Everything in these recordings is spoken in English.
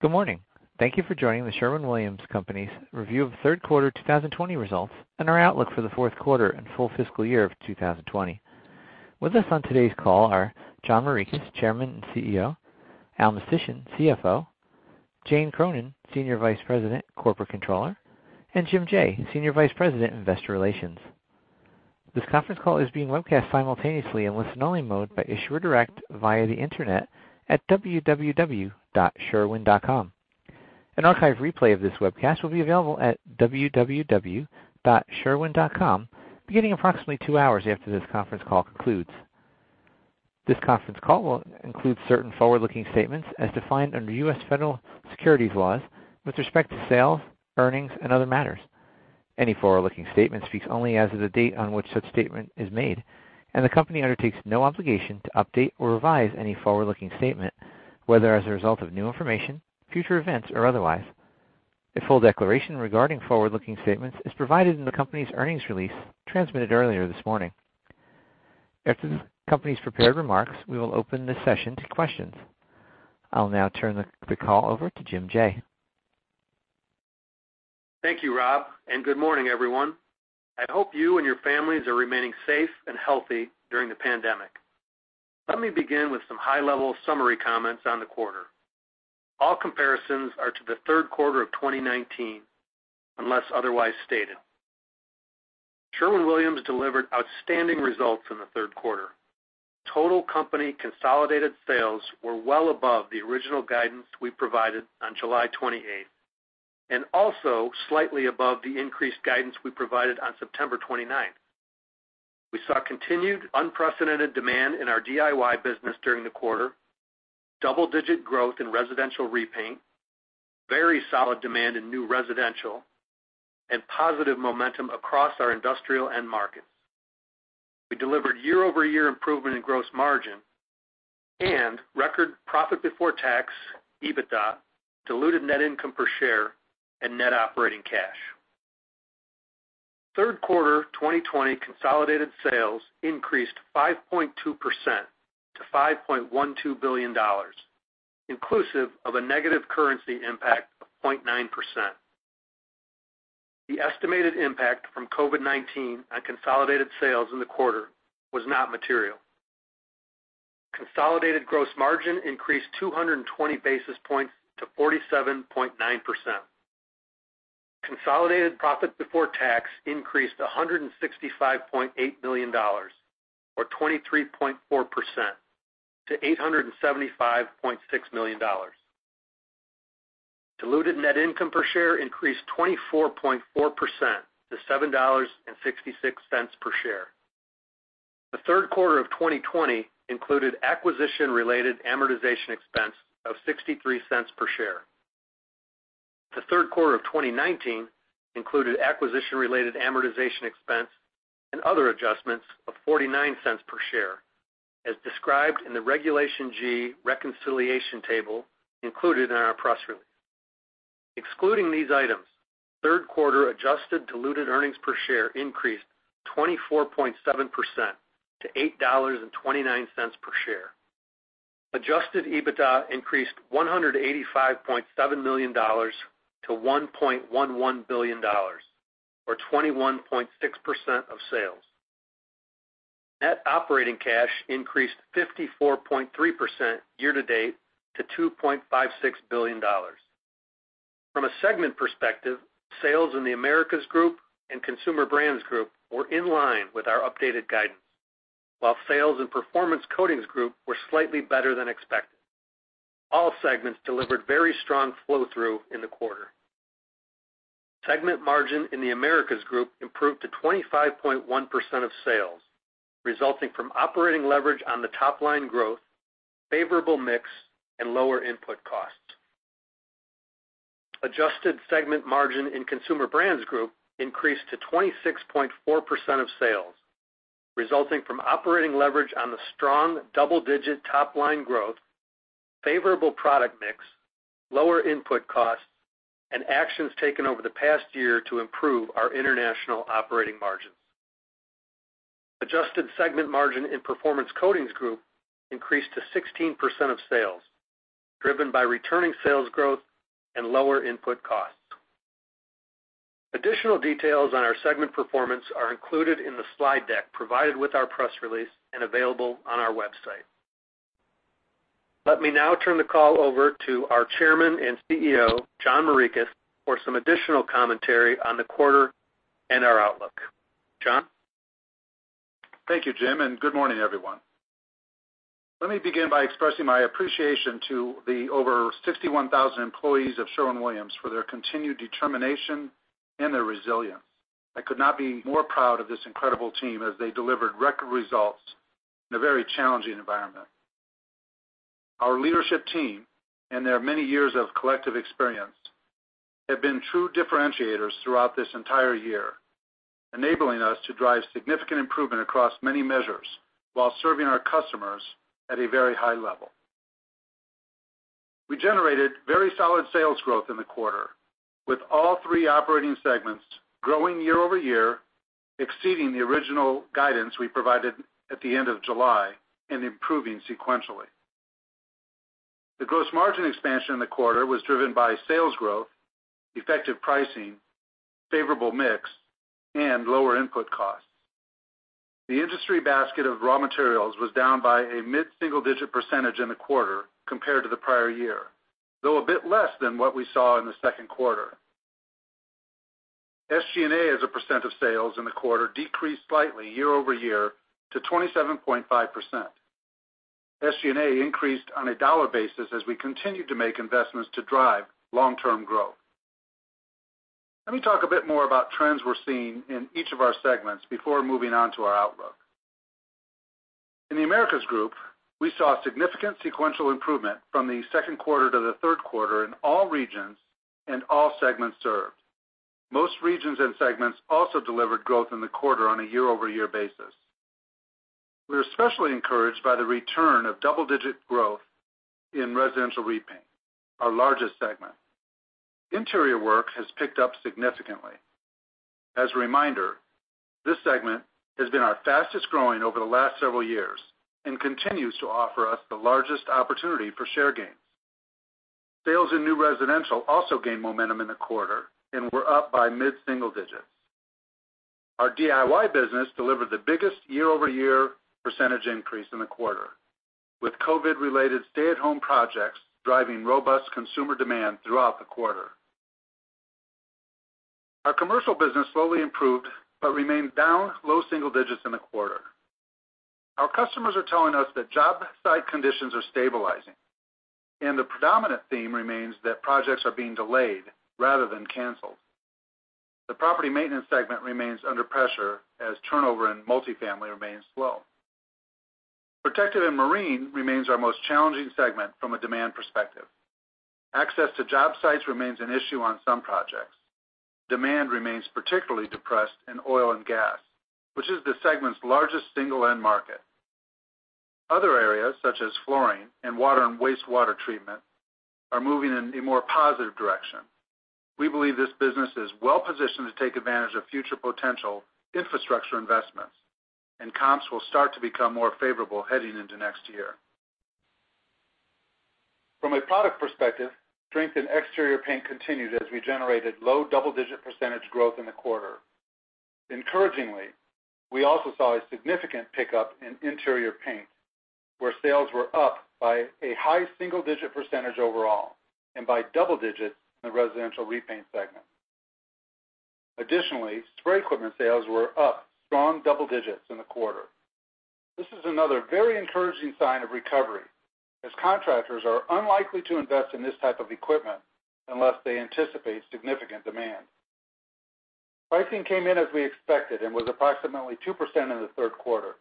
Good morning. Thank you for joining The Sherwin-Williams Company's review of third quarter 2020 results and our outlook for the fourth quarter and full fiscal year of 2020. With us on today's call are John Morikis, Chairman and CEO, Al Mistysyn, CFO, Jane Cronin, Senior Vice President, Corporate Controller, and Jim Jaye, Senior Vice President, Investor Relations. This conference call is being webcast simultaneously in listen-only mode by Issuer Direct via the internet at www.sherwin.com. An archive replay of this webcast will be available at www.sherwin.com beginning approximately 2 hours after this conference call concludes. This conference call will include certain forward-looking statements as defined under U.S. federal securities laws with respect to sales, earnings, and other matters. Any forward-looking statement speaks only as of the date on which such statement is made, and the company undertakes no obligation to update or revise any forward-looking statement, whether as a result of new information, future events, or otherwise. A full declaration regarding forward-looking statements is provided in the company's earnings release transmitted earlier this morning. After the company's prepared remarks, we will open the session to questions. I'll now turn the call over to Jim Jaye. Thank you, Bob, and good morning, everyone. I hope you and your families are remaining safe and healthy during the pandemic. Let me begin with some high-level summary comments on the quarter. All comparisons are to the third quarter of 2019, unless otherwise stated. Sherwin-Williams delivered outstanding results in the third quarter. Total company consolidated sales were well above the original guidance we provided on July 28th, and also slightly above the increased guidance we provided on September 29th. We saw continued unprecedented demand in our DIY business during the quarter, double-digit growth in residential repaint, very solid demand in new residential, and positive momentum across our industrial end markets. We delivered year-over-year improvement in gross margin and record profit before tax, EBITDA, diluted net income per share, and net operating cash. Third quarter 2020 consolidated sales increased 5.2% to $5.12 billion, inclusive of a negative currency impact of 0.9%. The estimated impact from COVID-19 on consolidated sales in the quarter was not material. Consolidated gross margin increased 220 basis points to 47.9%. Consolidated profit before tax increased $165.8 million or 23.4% to $875.6 million. Diluted net income per share increased 24.4% to $7.66 per share. The third quarter of 2020 included acquisition-related amortization expense of $0.63 per share. The third quarter of 2019 included acquisition-related amortization expense and other adjustments of $0.49 per share, as described in the Regulation G reconciliation table included in our press release. Excluding these items, third quarter adjusted diluted earnings per share increased 24.7% to $8.29 per share. Adjusted EBITDA increased $185.7 million to $1.11 billion, or 21.6% of sales. Net operating cash increased 54.3% year to date to $2.56 billion. From a segment perspective, sales in the Americas Group and Consumer Brands Group were in line with our updated guidance. While sales in Performance Coatings Group were slightly better than expected. All segments delivered very strong flow-through in the quarter. Segment margin in the Americas Group improved to 25.1% of sales, resulting from operating leverage on the top-line growth, favorable mix, and lower input costs. Adjusted segment margin in Consumer Brands Group increased to 26.4% of sales, resulting from operating leverage on the strong double-digit top-line growth, favorable product mix, lower input costs, and actions taken over the past year to improve our international operating margins. Adjusted segment margin in Performance Coatings Group increased to 16% of sales, driven by returning sales growth and lower input costs. Additional details on our segment performance are included in the slide deck provided with our press release and available on our website. Let me now turn the call over to our Chairman and CEO, John Morikis, for some additional commentary on the quarter and our outlook. John? Thank you, Jim, and good morning, everyone. Let me begin by expressing my appreciation to the over 61,000 employees of Sherwin-Williams for their continued determination and their resilience. I could not be more proud of this incredible team as they delivered record results in a very challenging environment. Our leadership team and their many years of collective experience have been true differentiators throughout this entire year, enabling us to drive significant improvement across many measures while serving our customers at a very high level. We generated very solid sales growth in the quarter, with all three operating segments growing year-over-year, exceeding the original guidance we provided at the end of July and improving sequentially. The gross margin expansion in the quarter was driven by sales growth, effective pricing, favorable mix, and lower input costs. The industry basket of raw materials was down by a mid-single-digit percentage in the quarter compared to the prior year, though a bit less than what we saw in the second quarter. SG&A as a percent of sales in the quarter decreased slightly year-over-year to 27.5%. SG&A increased on a dollar basis as we continued to make investments to drive long-term growth. Let me talk a bit more about trends we're seeing in each of our segments before moving on to our outlook. In the Americas Group, we saw significant sequential improvement from the second quarter to the third quarter in all regions and all segments served. Most regions and segments also delivered growth in the quarter on a year-over-year basis. We are especially encouraged by the return of double-digit growth in residential repaint, our largest segment. Interior work has picked up significantly. As a reminder, this segment has been our fastest growing over the last several years and continues to offer us the largest opportunity for share gains. Sales in new residential also gained momentum in the quarter and were up by mid-single digits. Our DIY business delivered the biggest year-over-year percentage increase in the quarter, with COVID related stay-at-home projects driving robust consumer demand throughout the quarter. Our commercial business slowly improved but remained down low single digits in the quarter. Our customers are telling us that job site conditions are stabilizing, and the predominant theme remains that projects are being delayed rather than canceled. The property maintenance segment remains under pressure as turnover in multifamily remains slow. Protective & Marine remains our most challenging segment from a demand perspective. Access to job sites remains an issue on some projects. Demand remains particularly depressed in oil and gas, which is the segment's largest single end market. Other areas such as flooring and water and wastewater treatment are moving in a more positive direction. We believe this business is well positioned to take advantage of future potential infrastructure investments, and comps will start to become more favorable heading into next year. From a product perspective, strength in exterior paint continued as we generated low double-digit percentage growth in the quarter. Encouragingly, we also saw a significant pickup in interior paint, where sales were up by a high single-digit percentage overall and by double digits in the residential repaint segment. Additionally, spray equipment sales were up strong double digits in the quarter. This is another very encouraging sign of recovery, as contractors are unlikely to invest in this type of equipment unless they anticipate significant demand. Pricing came in as we expected and was approximately 2% in the third quarter.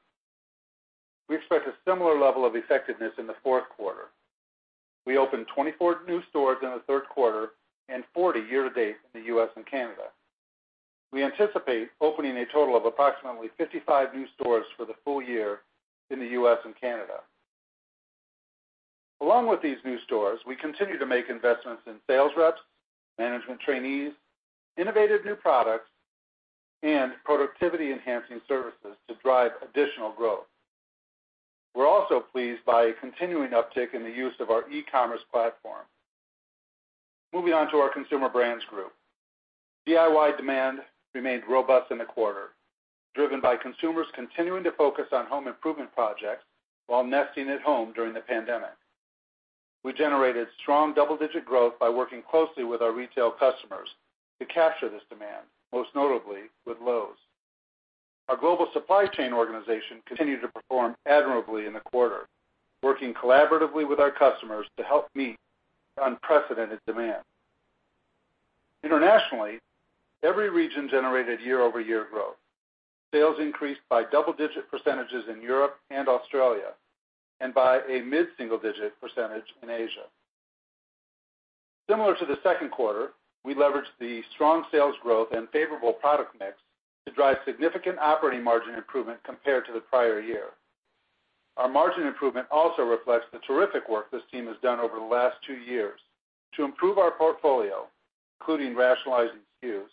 We expect a similar level of effectiveness in the fourth quarter. We opened 24 new stores in the third quarter and 40 year to date in the U.S. and Canada. We anticipate opening a total of approximately 55 new stores for the full year in the U.S. and Canada. Along with these new stores, we continue to make investments in sales reps, management trainees, innovative new products, and productivity enhancing services to drive additional growth. We're also pleased by a continuing uptick in the use of our e-commerce platform. Moving on to our Consumer Brands Group. DIY demand remained robust in the quarter, driven by consumers continuing to focus on home improvement projects while nesting at home during the pandemic. We generated strong double-digit growth by working closely with our retail customers to capture this demand, most notably with Lowe's. Our global supply chain organization continued to perform admirably in the quarter, working collaboratively with our customers to help meet unprecedented demand. Internationally, every region generated year-over-year growth. Sales increased by double-digit percentages in Europe and Australia and by a mid-single digit percentage in Asia. Similar to the second quarter, we leveraged the strong sales growth and favorable product mix to drive significant operating margin improvement compared to the prior year. Our margin improvement also reflects the terrific work this team has done over the last two years to improve our portfolio, including rationalizing SKUs,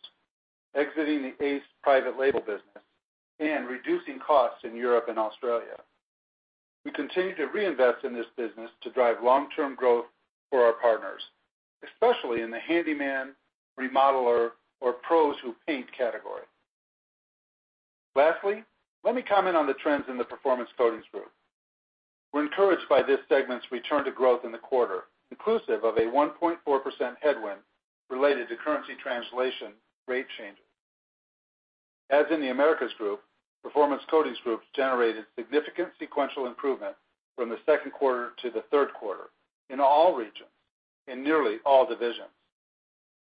exiting the Ace private label business, and reducing costs in Europe and Australia. We continue to reinvest in this business to drive long-term growth for our partners, especially in the handyman, remodeler, or pros who paint category. Lastly, let me comment on the trends in the Performance Coatings Group. We're encouraged by this segment's return to growth in the quarter, inclusive of a 1.4% headwind related to currency translation rate changes. As in the Americas Group, Performance Coatings Group generated significant sequential improvement from the second quarter to the third quarter in all regions and nearly all divisions.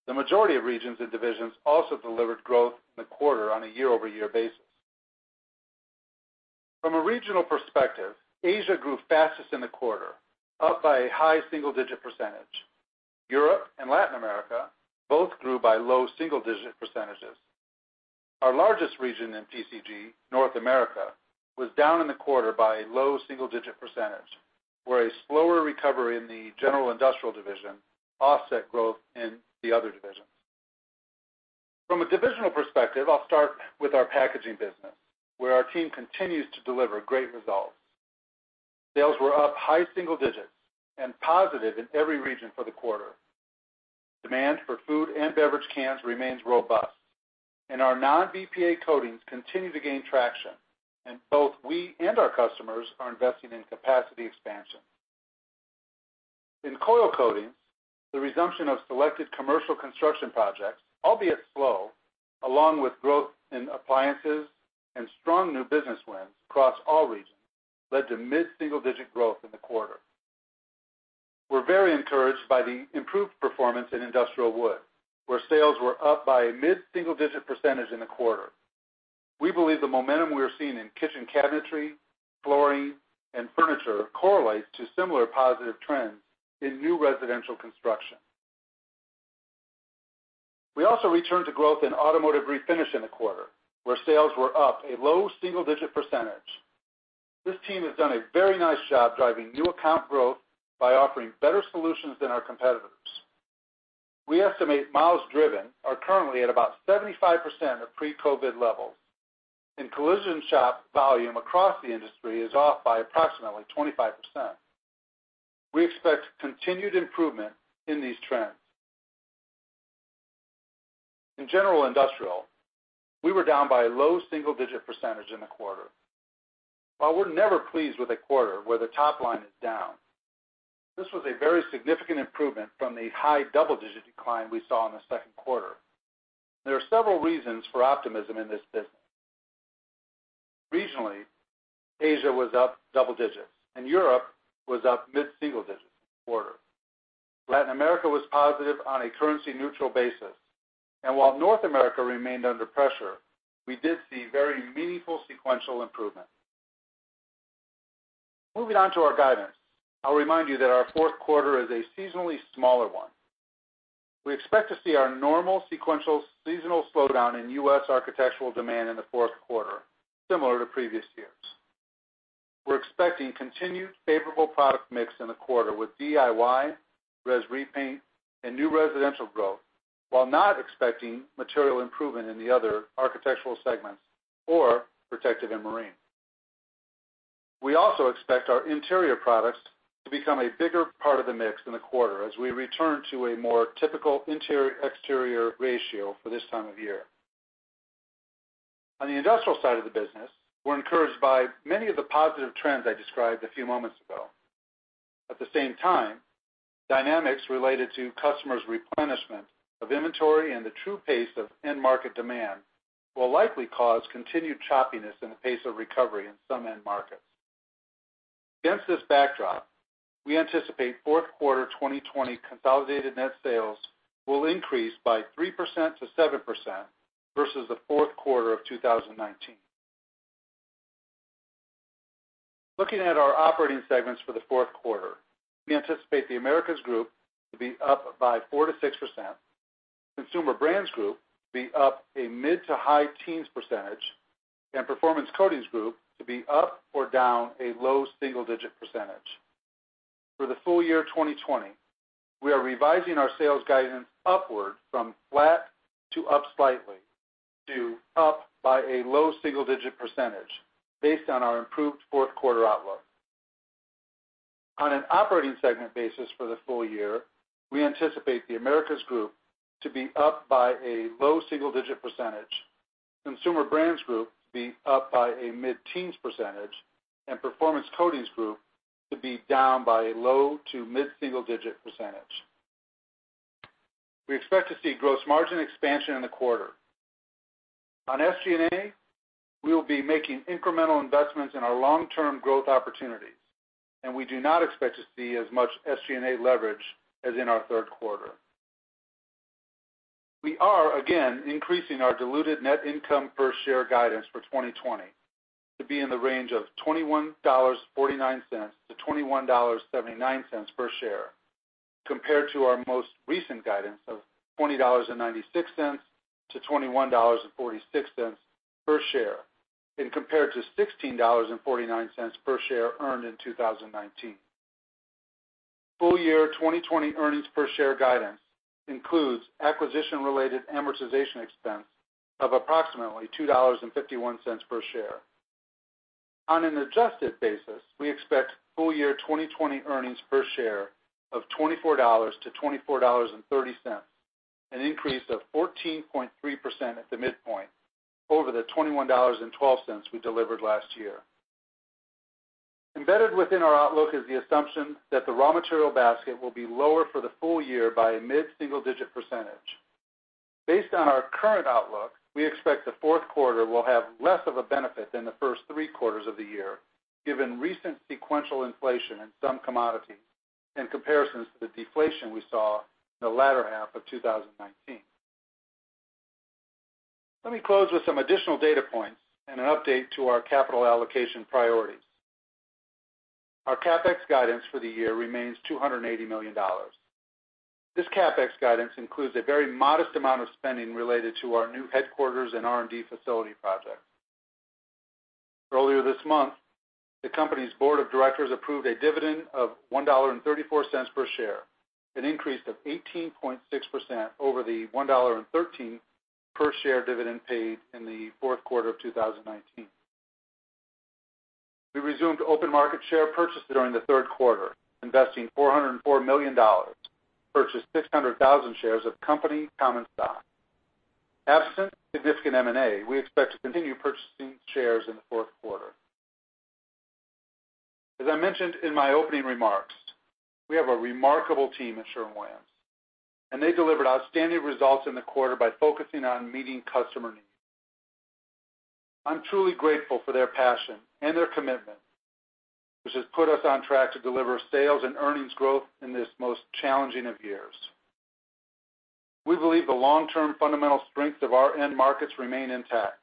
The majority of regions and divisions also delivered growth in the quarter on a year-over-year basis. From a regional perspective, Asia grew fastest in the quarter, up by a high single-digit percentage. Europe and Latin America both grew by low single-digit percentages. Our largest region in PCG, North America, was down in the quarter by a low single-digit percentage. A slower recovery in the general industrial division offset growth in the other divisions. From a divisional perspective, I'll start with our packaging business, where our team continues to deliver great results. Sales were up high single digits and positive in every region for the quarter. Demand for food and beverage cans remains robust, and our non-BPA coatings continue to gain traction, and both we and our customers are investing in capacity expansion. In coil coatings, the resumption of selected commercial construction projects, albeit slow, along with growth in appliances and strong new business wins across all regions, led to mid-single-digit growth in the quarter. We're very encouraged by the improved performance in industrial wood, where sales were up by a mid-single-digit percentage in the quarter. We believe the momentum we are seeing in kitchen cabinetry, flooring, and furniture correlates to similar positive trends in new residential construction. We also returned to growth in automotive refinish in the quarter, where sales were up a low single-digit percentage. This team has done a very nice job driving new account growth by offering better solutions than our competitors. We estimate miles driven are currently at about 75% of pre-COVID-19 levels, and collision shop volume across the industry is off by approximately 25%. We expect continued improvement in these trends. In General Industrial, we were down by a low single-digit percentage in the quarter. While we're never pleased with a quarter where the top line is down, this was a very significant improvement from the high double-digit decline we saw in the second quarter. There are several reasons for optimism in this business. Regionally, Asia was up double digits, and Europe was up mid-single digits in the quarter. Latin America was positive on a currency-neutral basis. While North America remained under pressure, we did see very meaningful sequential improvement. Moving on to our guidance, I'll remind you that our fourth quarter is a seasonally smaller one. We expect to see our normal sequential seasonal slowdown in U.S. architectural demand in the fourth quarter, similar to previous years. We're expecting continued favorable product mix in the quarter with DIY, res repaint, and new residential growth, while not expecting material improvement in the other architectural segments or Protective & Marine. We also expect our interior products to become a bigger part of the mix in the quarter as we return to a more typical interior-exterior ratio for this time of year. On the industrial side of the business, we're encouraged by many of the positive trends I described a few moments ago. At the same time, dynamics related to customers' replenishment of inventory and the true pace of end market demand will likely cause continued choppiness in the pace of recovery in some end markets. Against this backdrop, we anticipate fourth quarter 2020 consolidated net sales will increase by 3%-7% versus the fourth quarter of 2019. Looking at our operating segments for the fourth quarter, we anticipate the Americas Group to be up by 4%-6%, Consumer Brands Group to be up a mid to high teens percentage, and Performance Coatings Group to be up or down a low single-digit percentage. For the full year 2020, we are revising our sales guidance upward from flat to up slightly to up by a low single-digit percentage based on our improved fourth quarter outlook. On an operating segment basis for the full year, we anticipate the Americas Group to be up by a low single-digit percentage, Consumer Brands Group to be up by a mid-teens percentage, and Performance Coatings Group to be down by a low to mid-single-digit percentage. We expect to see gross margin expansion in the quarter. On SG&A, we will be making incremental investments in our long-term growth opportunities, and we do not expect to see as much SG&A leverage as in our third quarter. We are again increasing our diluted net income per share guidance for 2020 to be in the range of $21.49-$21.79 per share, compared to our most recent guidance of $20.96-$21.46 per share, and compared to $16.49 per share earned in 2019. Full year 2020 earnings per share guidance includes acquisition-related amortization expense of approximately $2.51 per share. On an adjusted basis, we expect full year 2020 earnings per share of $24-$24.30, an increase of 14.3% at the midpoint over the $21.12 we delivered last year. Embedded within our outlook is the assumption that the raw material basket will be lower for the full year by a mid-single-digit percentage. Based on our current outlook, we expect the fourth quarter will have less of a benefit than the first three quarters of the year, given recent sequential inflation in some commodities and comparisons to the deflation we saw in the latter half of 2019. Let me close with some additional data points and an update to our capital allocation priorities. Our CapEx guidance for the year remains $280 million. This CapEx guidance includes a very modest amount of spending related to our new headquarters and R&D facility project. Earlier this month, the company's board of directors approved a dividend of $1.34 per share, an increase of 18.6% over the $1.13 per share dividend paid in the fourth quarter of 2019. We resumed open market share purchases during the third quarter, investing $404 million to purchase 600,000 shares of company common stock. Absent significant M&A, we expect to continue purchasing shares in the fourth quarter. As I mentioned in my opening remarks, we have a remarkable team at Sherwin-Williams, and they delivered outstanding results in the quarter by focusing on meeting customer needs. I'm truly grateful for their passion and their commitment, which has put us on track to deliver sales and earnings growth in this most challenging of years. We believe the long-term fundamental strength of our end markets remain intact.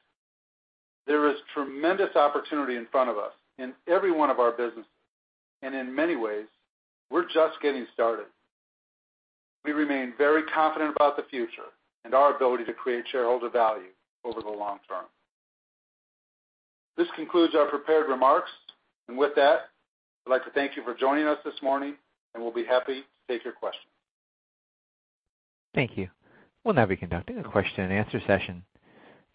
There is tremendous opportunity in front of us in every one of our businesses, and in many ways, we're just getting started. We remain very confident about the future and our ability to create shareholder value over the long term. This concludes our prepared remarks. With that, I'd like to thank you for joining us this morning, and we'll be happy to take your questions. Thank you. We'll now be conducting a question-and-answer session.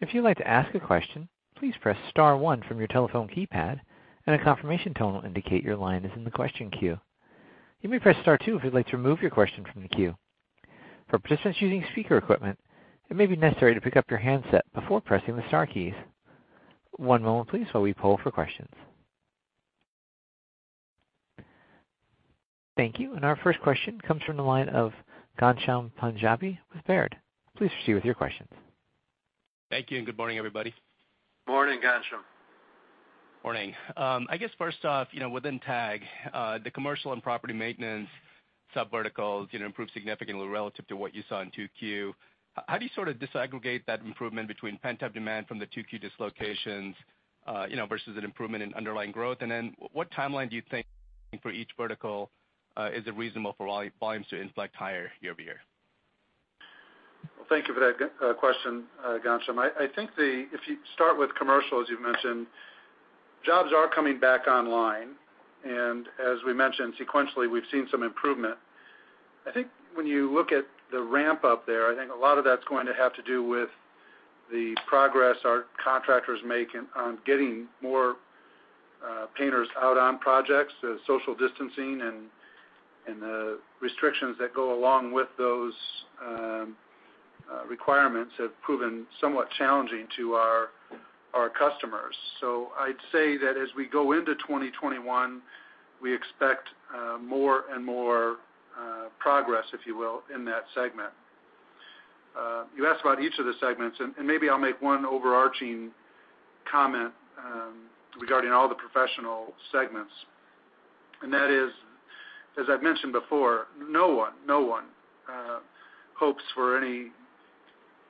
If you like to ask question please press star one from your telephone keypad and confirmation tone will indicate your line is in the question queue you may press star two to remove yourself from the queue. If you are using speaker equipment you may pick up your handset before pressing any key. One moment before we pull for question. Thank you. Our first question comes from the line of Ghansham Panjabi with Baird. Please proceed with your questions. Thank you, and good morning, everybody. Morning, Ghansham. Morning. I guess first off, within TAG, the commercial and property maintenance subverticals improved significantly relative to what you saw in 2Q. How do you sort of disaggregate that improvement between pent-up demand from the 2Q dislocations versus an improvement in underlying growth? What timeline do you think for each vertical is it reasonable for volumes to inflect higher year-over-year? Well, thank you for that question, Ghansham. I think if you start with commercial, as you've mentioned, jobs are coming back online, and as we mentioned, sequentially, we've seen some improvement. I think when you look at the ramp-up there, I think a lot of that's going to have to do with the progress our contractors make on getting more painters out on projects as social distancing and the restrictions that go along with those requirements have proven somewhat challenging to our customers. I'd say that as we go into 2021, we expect more and more progress, if you will, in that segment. You asked about each of the segments, and maybe I'll make one overarching comment regarding all the professional segments. That is, as I've mentioned before, no one hopes for any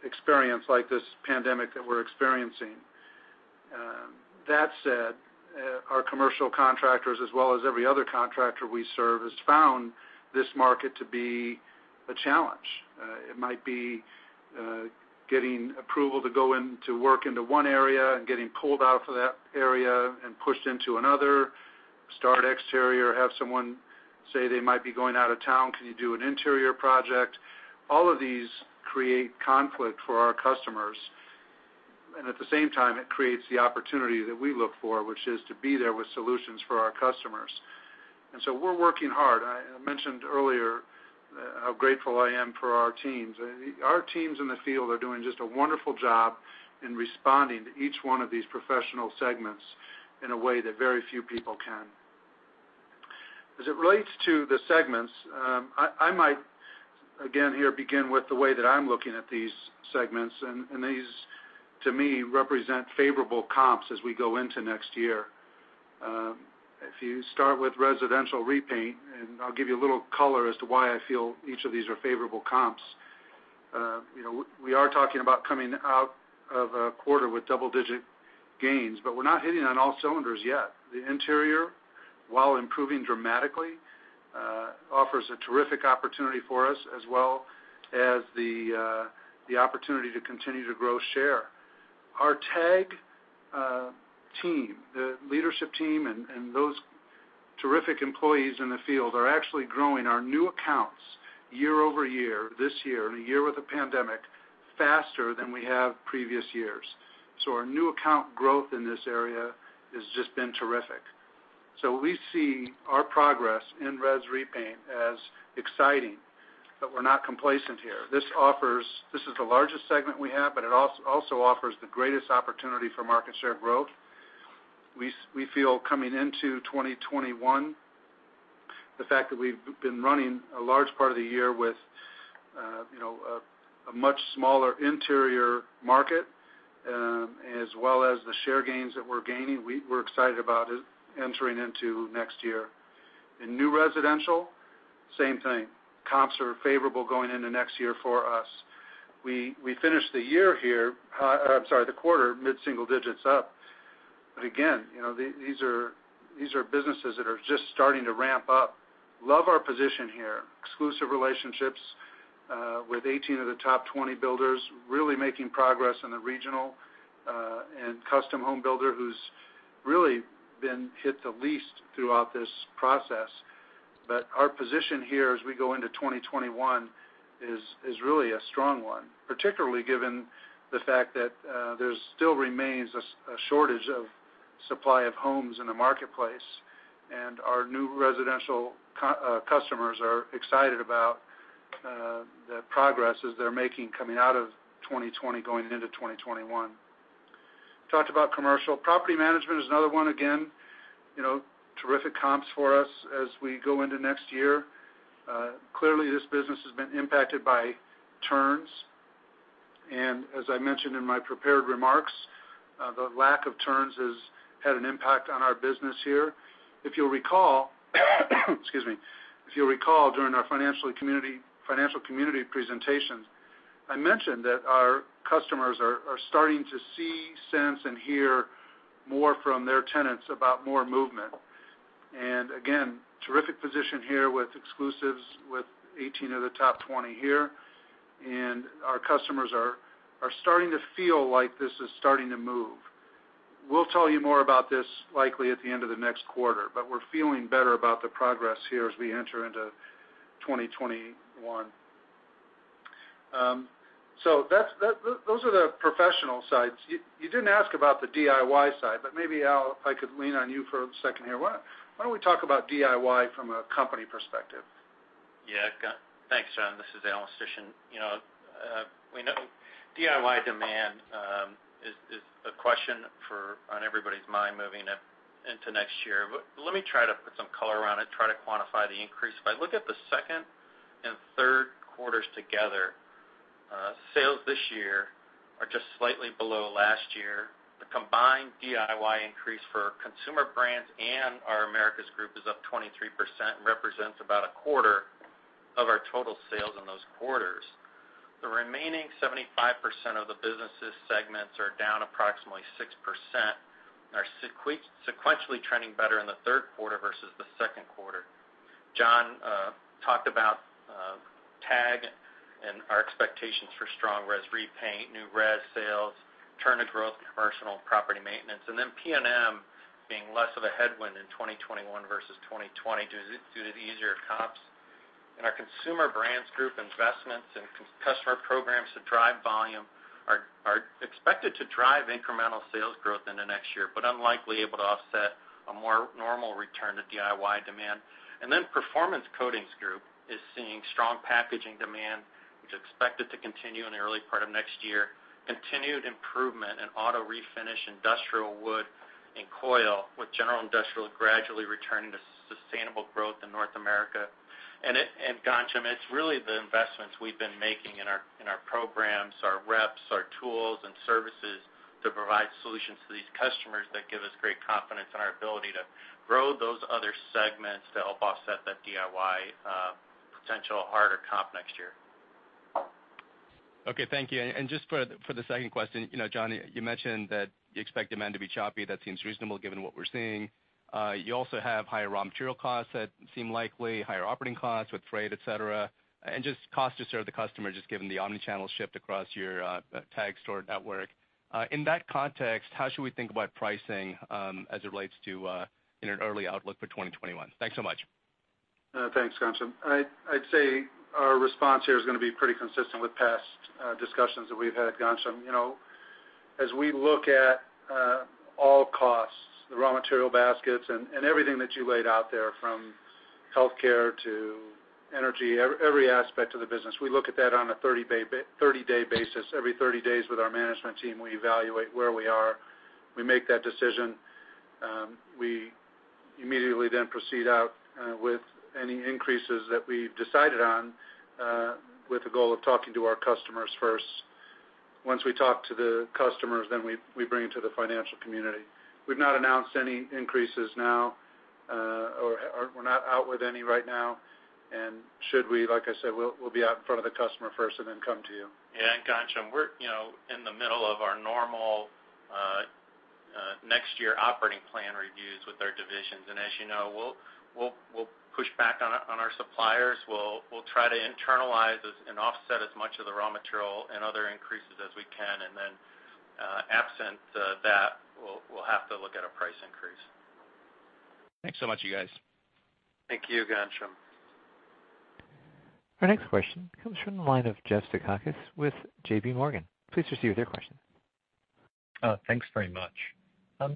experience like this pandemic that we're experiencing. That said, our commercial contractors, as well as every other contractor we serve, has found this market to be a challenge. It might be getting approval to go into work into one area and getting pulled out of that area and pushed into another. Start exterior, have someone say they might be going out of town, can you do an interior project? All of these create conflict for our customers. At the same time, it creates the opportunity that we look for, which is to be there with solutions for our customers. We're working hard. I mentioned earlier how grateful I am for our teams. Our teams in the field are doing just a wonderful job in responding to each one of these professional segments in a way that very few people can. As it relates to the segments, I might, again, here begin with the way that I'm looking at these segments. These, to me, represent favorable comps as we go into next year. If you start with residential repaint, and I'll give you a little color as to why I feel each of these are favorable comps. We are talking about coming out of a quarter with double-digit gains, but we're not hitting on all cylinders yet. The interior, while improving dramatically, offers a terrific opportunity for us as well as the opportunity to continue to grow share. Our TAG team, the leadership team and those terrific employees in the field are actually growing our new accounts year-over-year, this year, in a year with a pandemic, faster than we have previous years. Our new account growth in this area has just been terrific. We see our progress in res repaint as exciting, but we're not complacent here. This is the largest segment we have, but it also offers the greatest opportunity for market share growth. We feel coming into 2021, the fact that we've been running a large part of the year with a much smaller interior market, as well as the share gains that we're gaining, we're excited about entering into next year. In new residential, same thing. Comps are favorable going into next year for us. We finished the quarter, mid-single digits up. Again, these are businesses that are just starting to ramp up. Love our position here. Exclusive relationships with 18 of the top 20 builders, really making progress in the regional and custom home builder who's really been hit the least throughout this process. Our position here as we go into 2021 is really a strong one, particularly given the fact that there still remains a shortage of supply of homes in the marketplace, and our new residential customers are excited about the progress as they're making coming out of 2020 going into 2021. Talked about commercial. Property management is another one. Again, terrific comps for us as we go into next year. Clearly, this business has been impacted by turns, and as I mentioned in my prepared remarks, the lack of turns has had an impact on our business here. If you'll recall, during our financial community presentation, I mentioned that our customers are starting to see, sense, and hear more from their tenants about more movement. Again, terrific position here with exclusives with 18 of the top 20 here, and our customers are starting to feel like this is starting to move. We'll tell you more about this likely at the end of the next quarter, but we're feeling better about the progress here as we enter into 2021. Those are the professional sides. You didn't ask about the DIY side, but maybe, Al, I could lean on you for a second here. Why don't we talk about DIY from a company perspective? Yeah. Thanks, John. This is Al Mistysyn. We know DIY demand is a question on everybody's mind moving into next year. Let me try to put some color around it, try to quantify the increase. If I look at the second and third quarters together, sales this year are just slightly below last year. The combined DIY increase for Consumer Brands and our Americas Group is up 23%, represents about a quarter of our total sales in those quarters. The remaining 75% of the businesses segments are down approximately 6% and are sequentially trending better in the third quarter versus the second quarter. John talked about TAG and our expectations for strong res repaint, new res sales, turn of growth, commercial property maintenance, and then P&M being less of a headwind in 2021 versus 2020 due to the easier comps. Our Consumer Brands Group investments and customer programs to drive volume are expected to drive incremental sales growth into next year, but unlikely able to offset a more normal return to DIY demand. Performance Coatings Group is seeing strong packaging demand, which is expected to continue in the early part of next year, continued improvement in auto refinish, industrial wood, and coil, with general industrial gradually returning to sustainable growth in North America. Ghansham, it's really the investments we've been making in our programs, our reps, our tools and services to provide solutions to these customers that give us great confidence in our ability to grow those other segments to help offset that DIY potential harder comp next year. Okay. Thank you. Just for the second question, John, you mentioned that you expect demand to be choppy. That seems reasonable given what we're seeing. You also have higher raw material costs that seem likely, higher operating costs with freight, et cetera, and just cost to serve the customer, just given the omni-channel shift across your TAG store network. In that context, how should we think about pricing as it relates to in an early outlook for 2021? Thanks so much. Thanks, Ghansham. I'd say our response here is going to be pretty consistent with past discussions that we've had, Ghansham. As we look at all costs, the raw material baskets and everything that you laid out there from healthcare to energy, every aspect of the business, we look at that on a 30-day basis. Every 30 days with our management team, we evaluate where we are. We make that decision. We immediately proceed out with any increases that we've decided on with the goal of talking to our customers first. Once we talk to the customers, we bring it to the financial community. We've not announced any increases now, or we're not out with any right now. Should we, like I said, we'll be out in front of the customer first and then come to you. Yeah. Ghansham, we're in the middle of our normal next year operating plan reviews with our divisions. As you know, we'll push back on our suppliers. We'll try to internalize and offset as much of the raw material and other increases as we can. Absent that, we'll have to look at a price increase. Thanks so much, you guys. Thank you, Ghansham. Our next question comes from the line of Jeff Zekauskas with JPMorgan. Please proceed with your question. Thanks very much.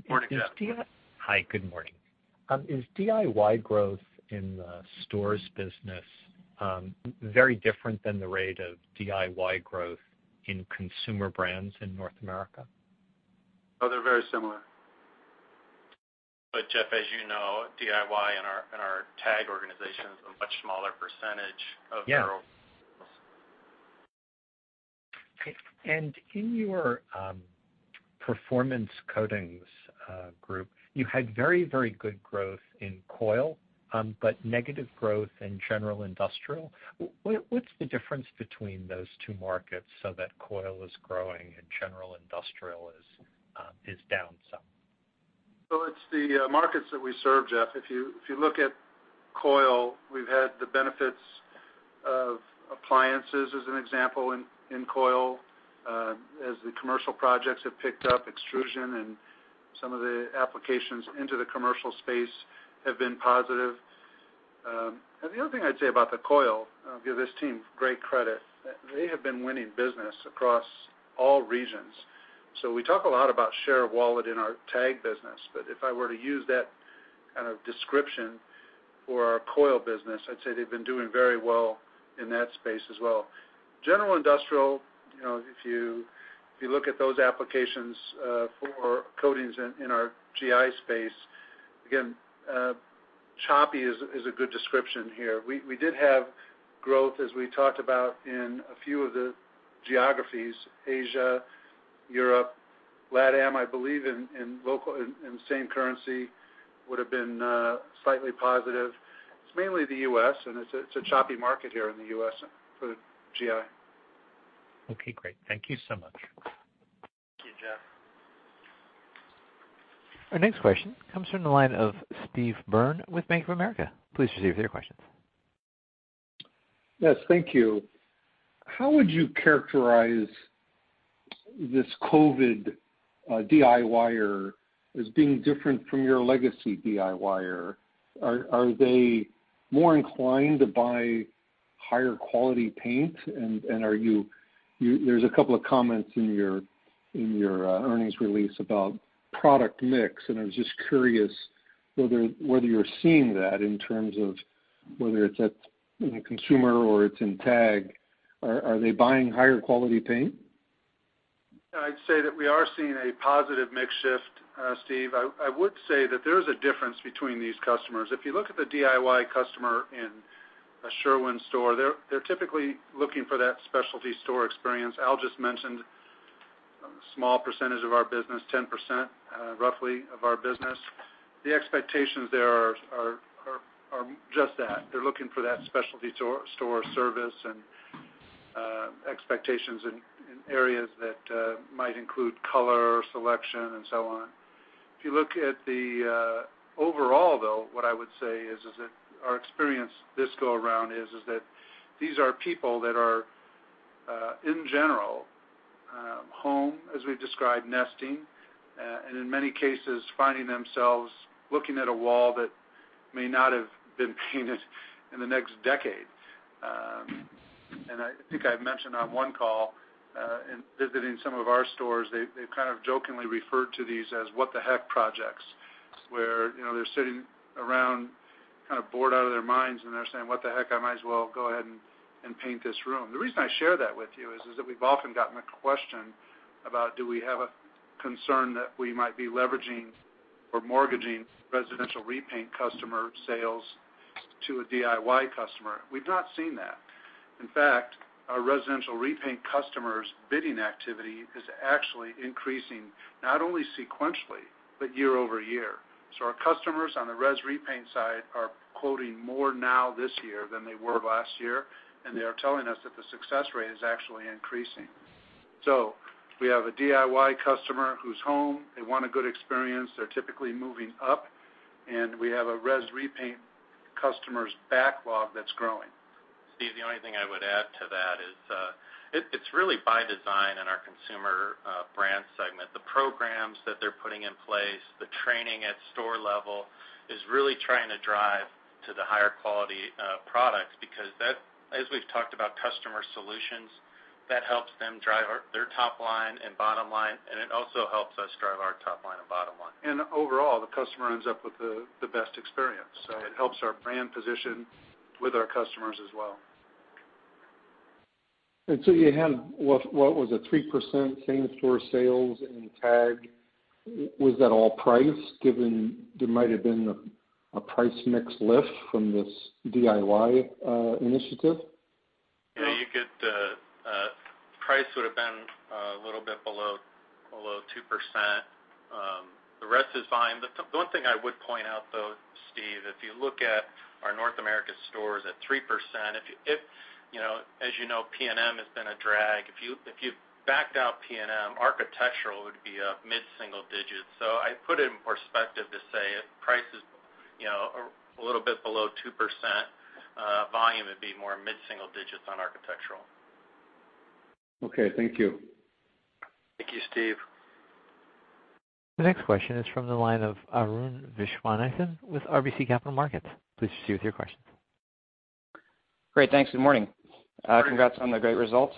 Morning, Jeff. Hi, good morning. Is DIY growth in the stores business very different than the rate of DIY growth in consumer brands in North America? No, they're very similar. Jeff, as you know, DIY in our TAG organization is a much smaller percentage of their overall sales. Yeah. Okay. In your Performance Coatings Group, you had very good growth in coil, but negative growth in general industrial. What's the difference between those two markets so that coil is growing and general industrial is down some? Well, it's the markets that we serve, Jeff. If you look at coil, we've had the benefits of appliances as an example in coil, as the commercial projects have picked up, extrusion and some of the applications into the commercial space have been positive. The other thing I'd say about the coil, I'll give this team great credit, they have been winning business across all regions. We talk a lot about share of wallet in our TAG business, but if I were to use that kind of description for our coil business, I'd say they've been doing very well in that space as well. General industrial, if you look at those applications for coatings in our GI space, again, choppy is a good description here. We did have growth, as we talked about in a few of the geographies, Asia, Europe, LATAM, I believe in same currency would have been slightly positive. It's mainly the U.S., and it's a choppy market here in the U.S. for the GI. Okay, great. Thank you so much. Thank you, Jeff. Our next question comes from the line of Steve Byrne with Bank of America. Please proceed with your questions. Yes, thank you. How would you characterize this COVID DIYer as being different from your legacy DIYer? Are they more inclined to buy higher quality paint? There's a couple of comments in your earnings release about product mix. I was just curious whether you're seeing that in terms of whether it's at consumer or it's in TAG, are they buying higher quality paint? I'd say that we are seeing a positive mix shift, Steve. I would say that there is a difference between these customers. If you look at the DIY customer in a Sherwin store, they're typically looking for that specialty store experience. Al just mentioned a small percentage of our business, 10% roughly of our business. The expectations there are just that. They're looking for that specialty store service and expectations in areas that might include color selection and so on. If you look at the overall though, what I would say is that our experience this go around is that these are people that are, in general, home, as we've described, nesting, and in many cases finding themselves looking at a wall that may not have been painted in the next decade. I think I've mentioned on one call, in visiting some of our stores, they've kind of jokingly referred to these as what the heck projects, where they're sitting around kind of bored out of their minds, and they're saying, "What the heck, I might as well go ahead and paint this room." The reason I share that with you is that we've often gotten a question about do we have a concern that we might be leveraging or mortgaging residential repaint customer sales to a DIY customer. We've not seen that. In fact, our residential repaint customers' bidding activity is actually increasing, not only sequentially, but year-over-year. Our customers on the res repaint side are quoting more now this year than they were last year, and they are telling us that the success rate is actually increasing. We have a DIY customer who's home, they want a good experience, they're typically moving up, and we have a res repaint customer's backlog that's growing. Steve, the only thing I would add to that is it's really by design in our consumer brand segment. The programs that they're putting in place, the training at store level is really trying to drive to the higher quality products because as we've talked about customer solutions, that helps them drive their top line and bottom line, and it also helps us drive our top line and bottom line. Overall, the customer ends up with the best experience. It helps our brand position with our customers as well. You had, what was it, 3% same store sales in TAG? Was that all price, given there might have been a price mix lift from this DIY initiative? Yeah, price would have been a little bit below 2%. The rest is volume. The one thing I would point out, though, Steve, if you look at our North America stores at 3%, as you know, P&M has been a drag. If you backed out P&M, architectural would be up mid-single digits. I'd put it in perspective to say if price is a little bit below 2%, volume would be more mid-single digits on architectural. Okay, thank you. Thank you, Steve. The next question is from the line of Arun Viswanathan with RBC Capital Markets. Please proceed with your questions. Great. Thanks. Good morning. Good morning. Congrats on the great results.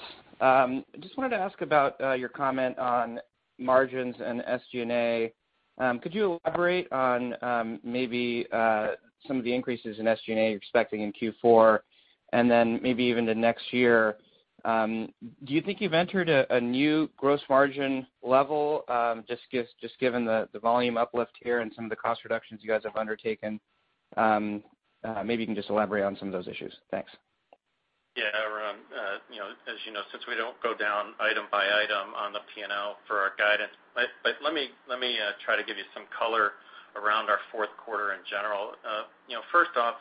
Just wanted to ask about your comment on margins and SG&A. Could you elaborate on maybe some of the increases in SG&A you're expecting in Q4 and then maybe even to next year? Do you think you've entered a new gross margin level, just given the volume uplift here and some of the cost reductions you guys have undertaken? Maybe you can just elaborate on some of those issues. Thanks. Arun, as you know, since we don't go down item by item on the P&L for our guidance, let me try to give you some color around our fourth quarter in general. First off,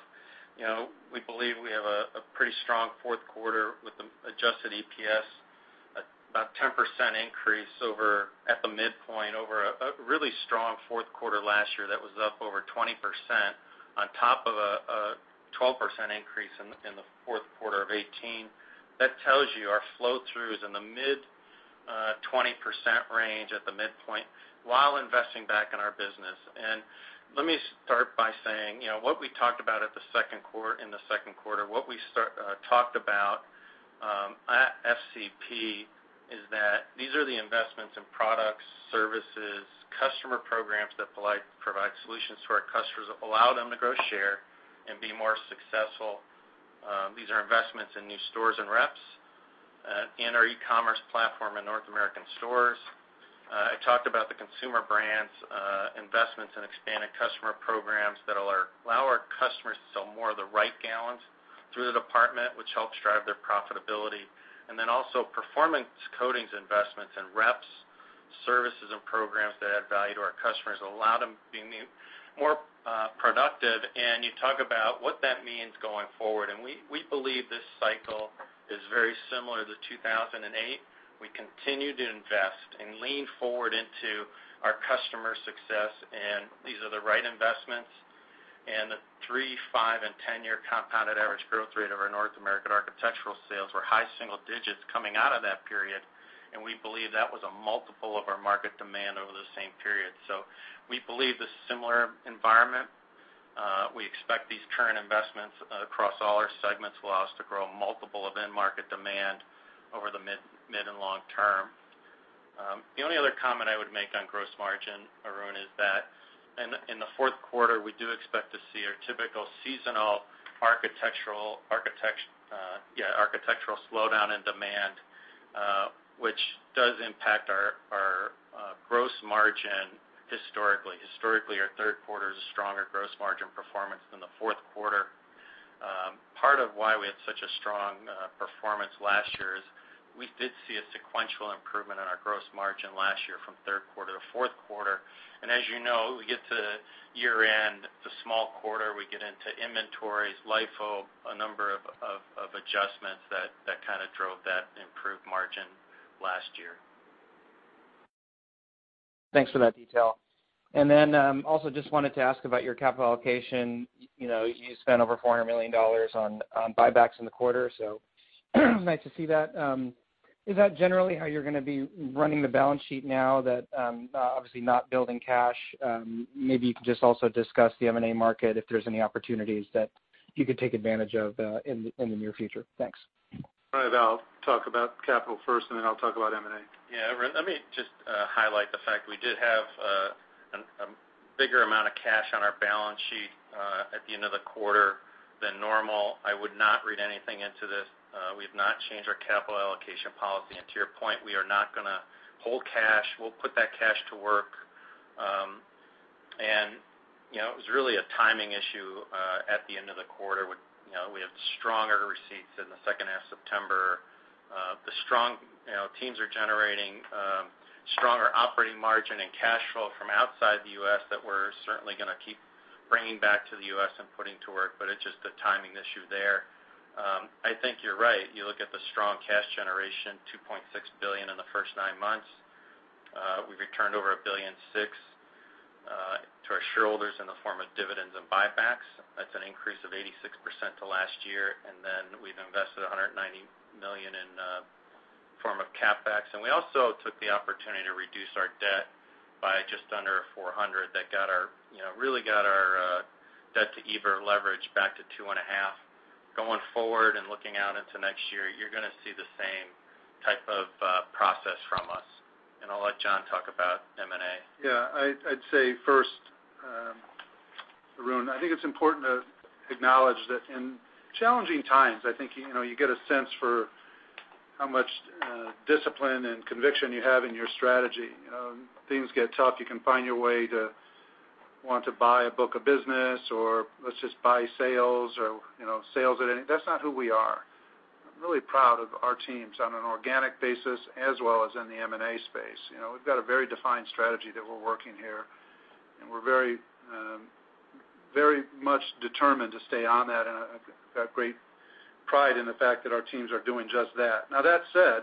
we believe we have a pretty strong fourth quarter with the adjusted EPS 10% increase at the midpoint over a really strong fourth quarter last year that was up over 20% on top of a 12% increase in the fourth quarter of 2018. That tells you our flow-through is in the mid 20% range at the midpoint while investing back in our business. Let me start by saying, what we talked about in the second quarter, what we talked about at FCP is that these are the investments in products, services, customer programs that provide solutions to our customers, allow them to grow share, and be more successful. These are investments in new stores and reps, our e-commerce platform in North American stores. I talked about the Consumer Brands, investments in expanded customer programs that allow our customers to sell more of the right gallons through the department, which helps drive their profitability. Also Performance Coatings investments in reps, services, and programs that add value to our customers, allow them to be more productive. You talk about what that means going forward. We believe this cycle is very similar to 2008. We continue to invest and lean forward into our customer success, and these are the right investments. The three, five, and 10-year compounded average growth rate of our North American architectural sales were high single digits coming out of that period, and we believe that was a multiple of our market demand over the same period. We believe the similar environment, we expect these current investments across all our segments will allow us to grow multiple of end market demand over the mid and long term. The only other comment I would make on gross margin, Arun, is that in the fourth quarter, we do expect to see our typical seasonal architectural slowdown in demand, which does impact our gross margin historically. Historically, our third quarter is a stronger gross margin performance than the fourth quarter. Part of why we had such a strong performance last year is we did see a sequential improvement in our gross margin last year from third quarter to fourth quarter. As you know, we get to year-end, it's a small quarter, we get into inventories, LIFO, a number of adjustments that kind of drove that improved margin last year. Thanks for that detail. Also just wanted to ask about your capital allocation. You spent over $400 million on buybacks in the quarter, nice to see that. Is that generally how you're going to be running the balance sheet now that, obviously not building cash? Maybe you could just also discuss the M&A market, if there's any opportunities that you could take advantage of in the near future. Thanks. All right. I'll talk about capital first, and then I'll talk about M&A. Yeah. Arun, let me just highlight the fact we did have a bigger amount of cash on our balance sheet, at the end of the quarter than normal. I would not read anything into this. We've not changed our capital allocation policy. To your point, we are not going to hold cash. We'll put that cash to work. It was really a timing issue at the end of the quarter. We had stronger receipts in the second half of September. The teams are generating stronger operating margin and cash flow from outside the U.S. that we're certainly going to keep bringing back to the U.S. and putting to work, but it's just a timing issue there. I think you're right. You look at the strong cash generation, $2.6 billion in the first nine months. We've returned over $1.6 billion to our shareholders in the form of dividends and buybacks. That's an increase of 86% to last year. We've invested $190 million in form of CapEx. We also took the opportunity to reduce our debt by just under $400 million that really got our debt to EBITDA leverage back to 2.5x. Going forward and looking out into next year, you're going to see the same type of process from us. I'll let John talk about M&A. Yeah. I'd say first, Arun, I think it's important to acknowledge that in challenging times, you get a sense for how much discipline and conviction you have in your strategy. When things get tough, you can find your way to want to buy a book of business, or let's just buy sales. That's not who we are. I'm really proud of our teams on an organic basis as well as in the M&A space. We've got a very defined strategy that we're working here. We're very much determined to stay on that. I've got great pride in the fact that our teams are doing just that. That said,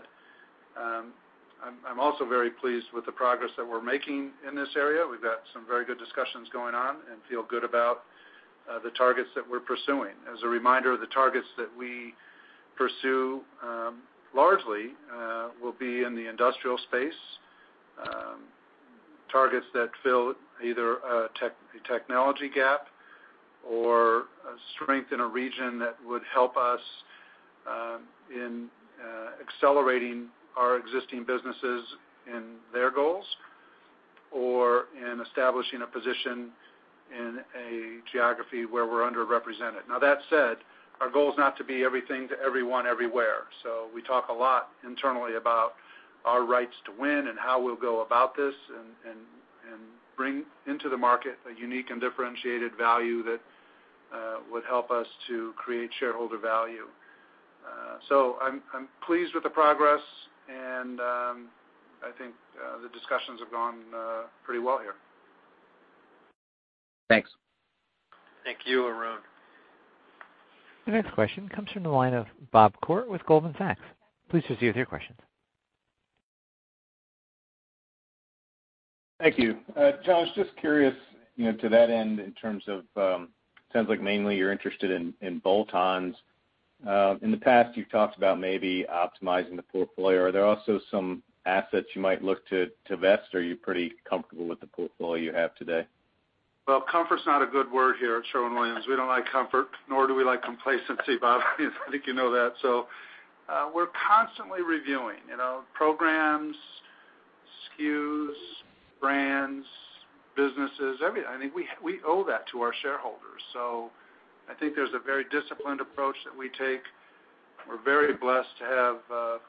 I'm also very pleased with the progress that we're making in this area. We've got some very good discussions going on. Feel good about the targets that we're pursuing. As a reminder, the targets that we pursue largely will be in the industrial space. Targets that fill either a technology gap or a strength in a region that would help us in accelerating our existing businesses in their goals or in establishing a position in a geography where we're underrepresented. That said, our goal is not to be everything to everyone everywhere. We talk a lot internally about our rights to win and how we'll go about this and bring into the market a unique and differentiated value that would help us to create shareholder value. I'm pleased with the progress, and I think the discussions have gone pretty well here. Thanks. Thank you, Arun. The next question comes from the line of Bob Koort with Goldman Sachs. Please proceed with your questions. Thank you. John, just curious, to that end, in terms of, sounds like mainly you're interested in bolt-ons. In the past, you've talked about maybe optimizing the portfolio. Are there also some assets you might look divest, or are you pretty comfortable with the portfolio you have today? Well, comfort's not a good word here at Sherwin-Williams. We don't like comfort, nor do we like complacency, Bob. I think you know that. We're constantly reviewing. Programs, SKUs, brands, businesses, everything. I think we owe that to our shareholders. I think there's a very disciplined approach that we take. We're very blessed to have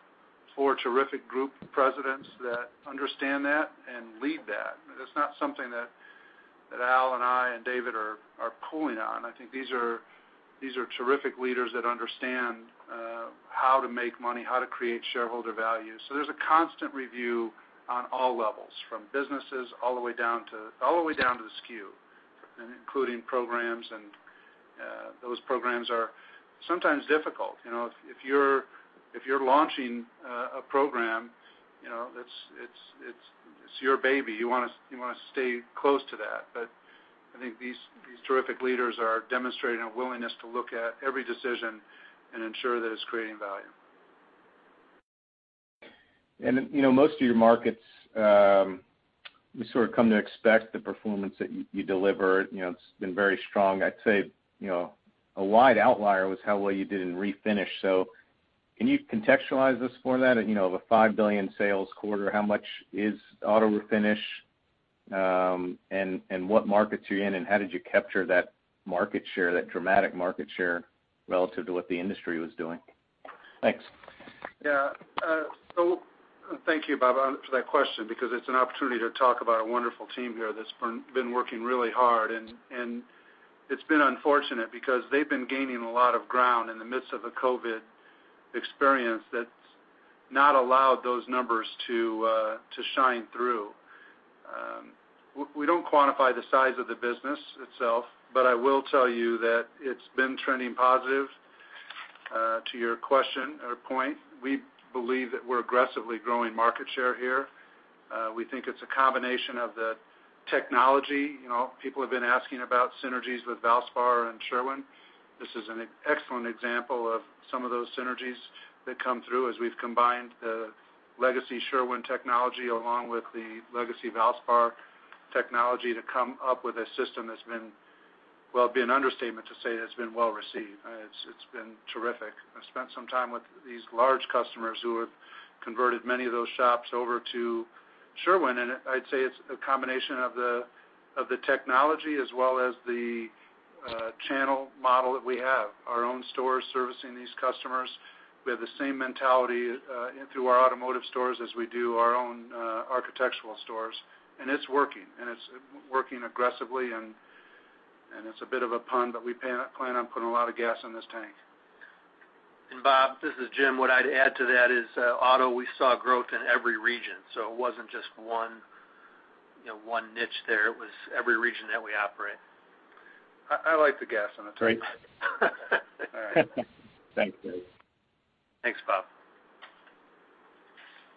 four terrific group presidents that understand that and lead that. That's not something that Al and I and David are pulling on. I think these are terrific leaders that understand how to make money, how to create shareholder value. There's a constant review on all levels, from businesses all the way down to the SKU, and including programs. Those programs are sometimes difficult. If you're launching a program, it's your baby. You want to stay close to that. I think these terrific leaders are demonstrating a willingness to look at every decision and ensure that it's creating value. Most of your markets, we sort of come to expect the performance that you deliver. It's been very strong. I'd say a wide outlier was how well you did in Refinish. Can you contextualize the score of that? Of a $5 billion sales quarter, how much is auto refinish, and what markets are you in, and how did you capture that dramatic market share relative to what the industry was doing? Thanks. Yeah. Thank you, Bob, for that question because it's an opportunity to talk about a wonderful team here that's been working really hard, and it's been unfortunate because they've been gaining a lot of ground in the midst of a COVID experience that's not allowed those numbers to shine through. We don't quantify the size of the business itself, I will tell you that it's been trending positive. To your question or point, we believe that we're aggressively growing market share here. We think it's a combination of the technology. People have been asking about synergies with Valspar and Sherwin. This is an excellent example of some of those synergies that come through as we've combined the legacy Sherwin technology along with the legacy Valspar technology to come up with a system that's been, well, it'd be an understatement to say it's been well-received. It's been terrific. I spent some time with these large customers who have converted many of those shops over to Sherwin, and I'd say it's a combination of the technology as well as the channel model that we have, our own stores servicing these customers. We have the same mentality through our automotive stores as we do our own architectural stores, and it's working, and it's working aggressively, and it's a bit of a pun, but we plan on putting a lot of gas in this tank. Bob, this is Jim. What I'd add to that is auto, we saw growth in every region, so it wasn't just one niche there. It was every region that we operate. I like the gas on the tank. All right. Thanks, guys. Thanks, Bob.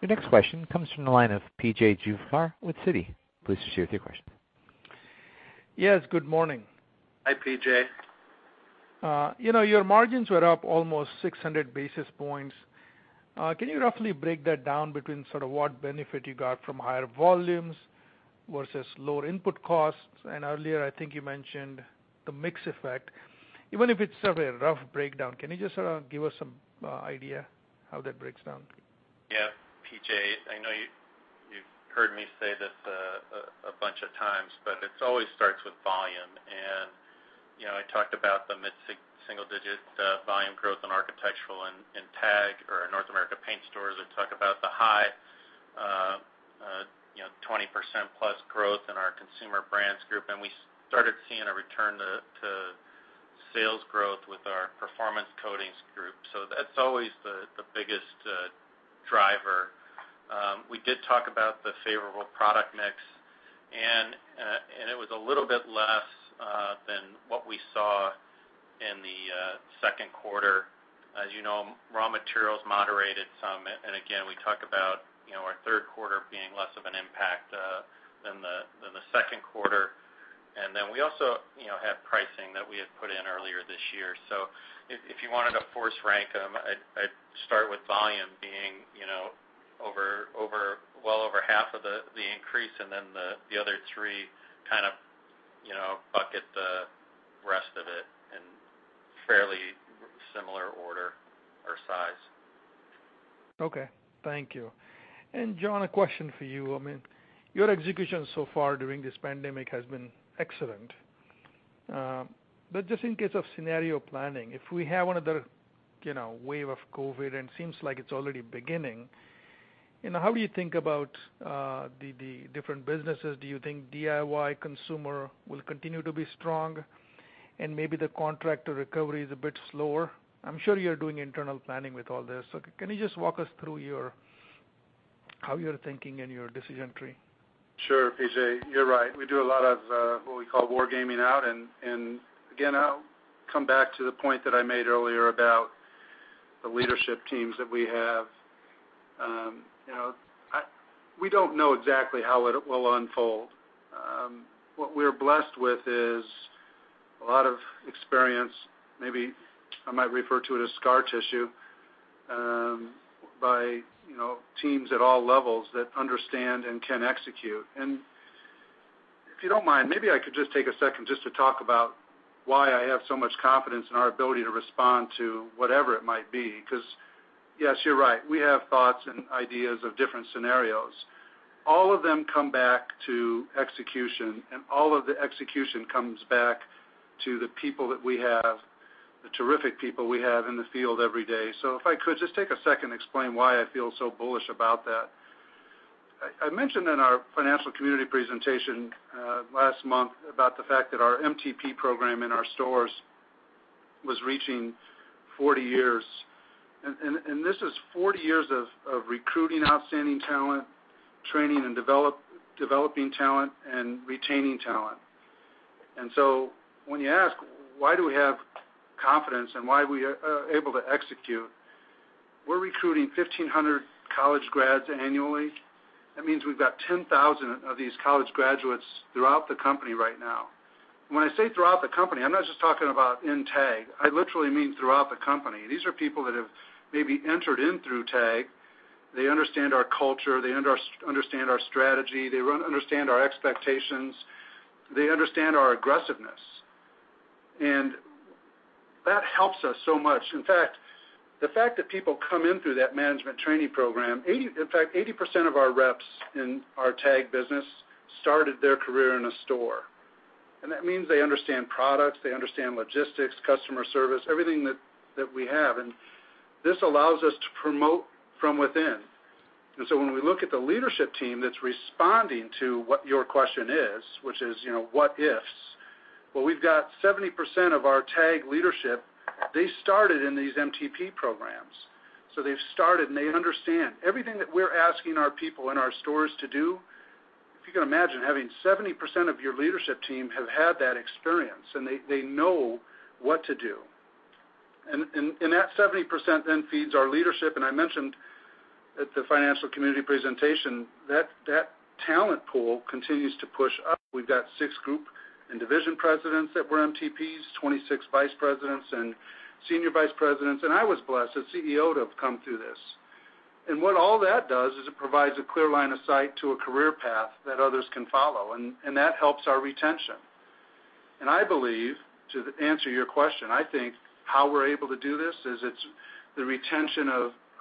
Your next question comes from the line of P.J. Juvekar with Citi. Please proceed with your question. Yes, good morning. Hi, P.J. Your margins were up almost 600 basis points. Can you roughly break that down between sort of what benefit you got from higher volumes versus lower input costs? Earlier, I think you mentioned the mix effect. Even if it's sort of a rough breakdown, can you just sort of give us some idea how that breaks down? P.J., I know you've heard me say this a bunch of times, but it always starts with volume. I talked about the mid-single-digit volume growth in architectural and TAG or North America paint stores. I talk about the high 20%+ growth in our Consumer Brands Group, and we started seeing a return to sales growth with our Performance Coatings Group. That's always the biggest driver. We did talk about the favorable product mix, and it was a little bit less than what we saw in the second quarter. As you know, raw materials moderated some, and again, we talk about our third quarter being less of an impact than the second quarter. Then we also have pricing that we had put in earlier this year. If you wanted to force rank them, I'd start with volume being well over half of the increase, and then the other three kind of bucket the rest of it in fairly similar order or size. Okay. Thank you. John, a question for you. Your execution so far during this pandemic has been excellent. Just in case of scenario planning, if we have another wave of COVID, and it seems like it's already beginning, how do you think about the different businesses? Do you think DIY consumer will continue to be strong, and maybe the contractor recovery is a bit slower? I'm sure you're doing internal planning with all this. Can you just walk us through your how you're thinking in your decision tree? Sure, P.J., you're right. We do a lot of what we call war gaming out. Again, I'll come back to the point that I made earlier about the leadership teams that we have. We don't know exactly how it will unfold. What we're blessed with is a lot of experience, maybe I might refer to it as scar tissue, by teams at all levels that understand and can execute. If you don't mind, maybe I could just take a second just to talk about why I have so much confidence in our ability to respond to whatever it might be. Yes, you're right, we have thoughts and ideas of different scenarios. All of them come back to execution, and all of the execution comes back to the people that we have, the terrific people we have in the field every day. If I could just take a second to explain why I feel so bullish about that. I mentioned in our financial community presentation last month about the fact that our MTP program in our stores was reaching 40 years. This is 40 years of recruiting outstanding talent, training and developing talent, and retaining talent. When you ask why do we have confidence and why we are able to execute, we're recruiting 1,500 college grads annually. That means we've got 10,000 of these college graduates throughout the company right now. When I say throughout the company, I'm not just talking about in TAG. I literally mean throughout the company. These are people that have maybe entered in through TAG. They understand our culture, they understand our strategy, they understand our expectations, they understand our aggressiveness. That helps us so much. The fact that people come in through that management training program, 80% of our reps in our TAG business started their career in a store. That means they understand products, they understand logistics, customer service, everything that we have, and this allows us to promote from within. When we look at the leadership team that's responding to what your question is, which is what ifs, well, we've got 70% of our TAG leadership, they started in these MTP programs. They've started, and they understand. Everything that we're asking our people in our stores to do, if you can imagine having 70% of your leadership team have had that experience, and they know what to do. That 70% then feeds our leadership, and I mentioned at the financial community presentation that talent pool continues to push up. We've got six group and division presidents that were MTPs, 26 vice presidents and senior vice presidents, and I was blessed as CEO to have come through this. What all that does is it provides a clear line of sight to a career path that others can follow, and that helps our retention. I believe, to answer your question, I think how we're able to do this is it's the retention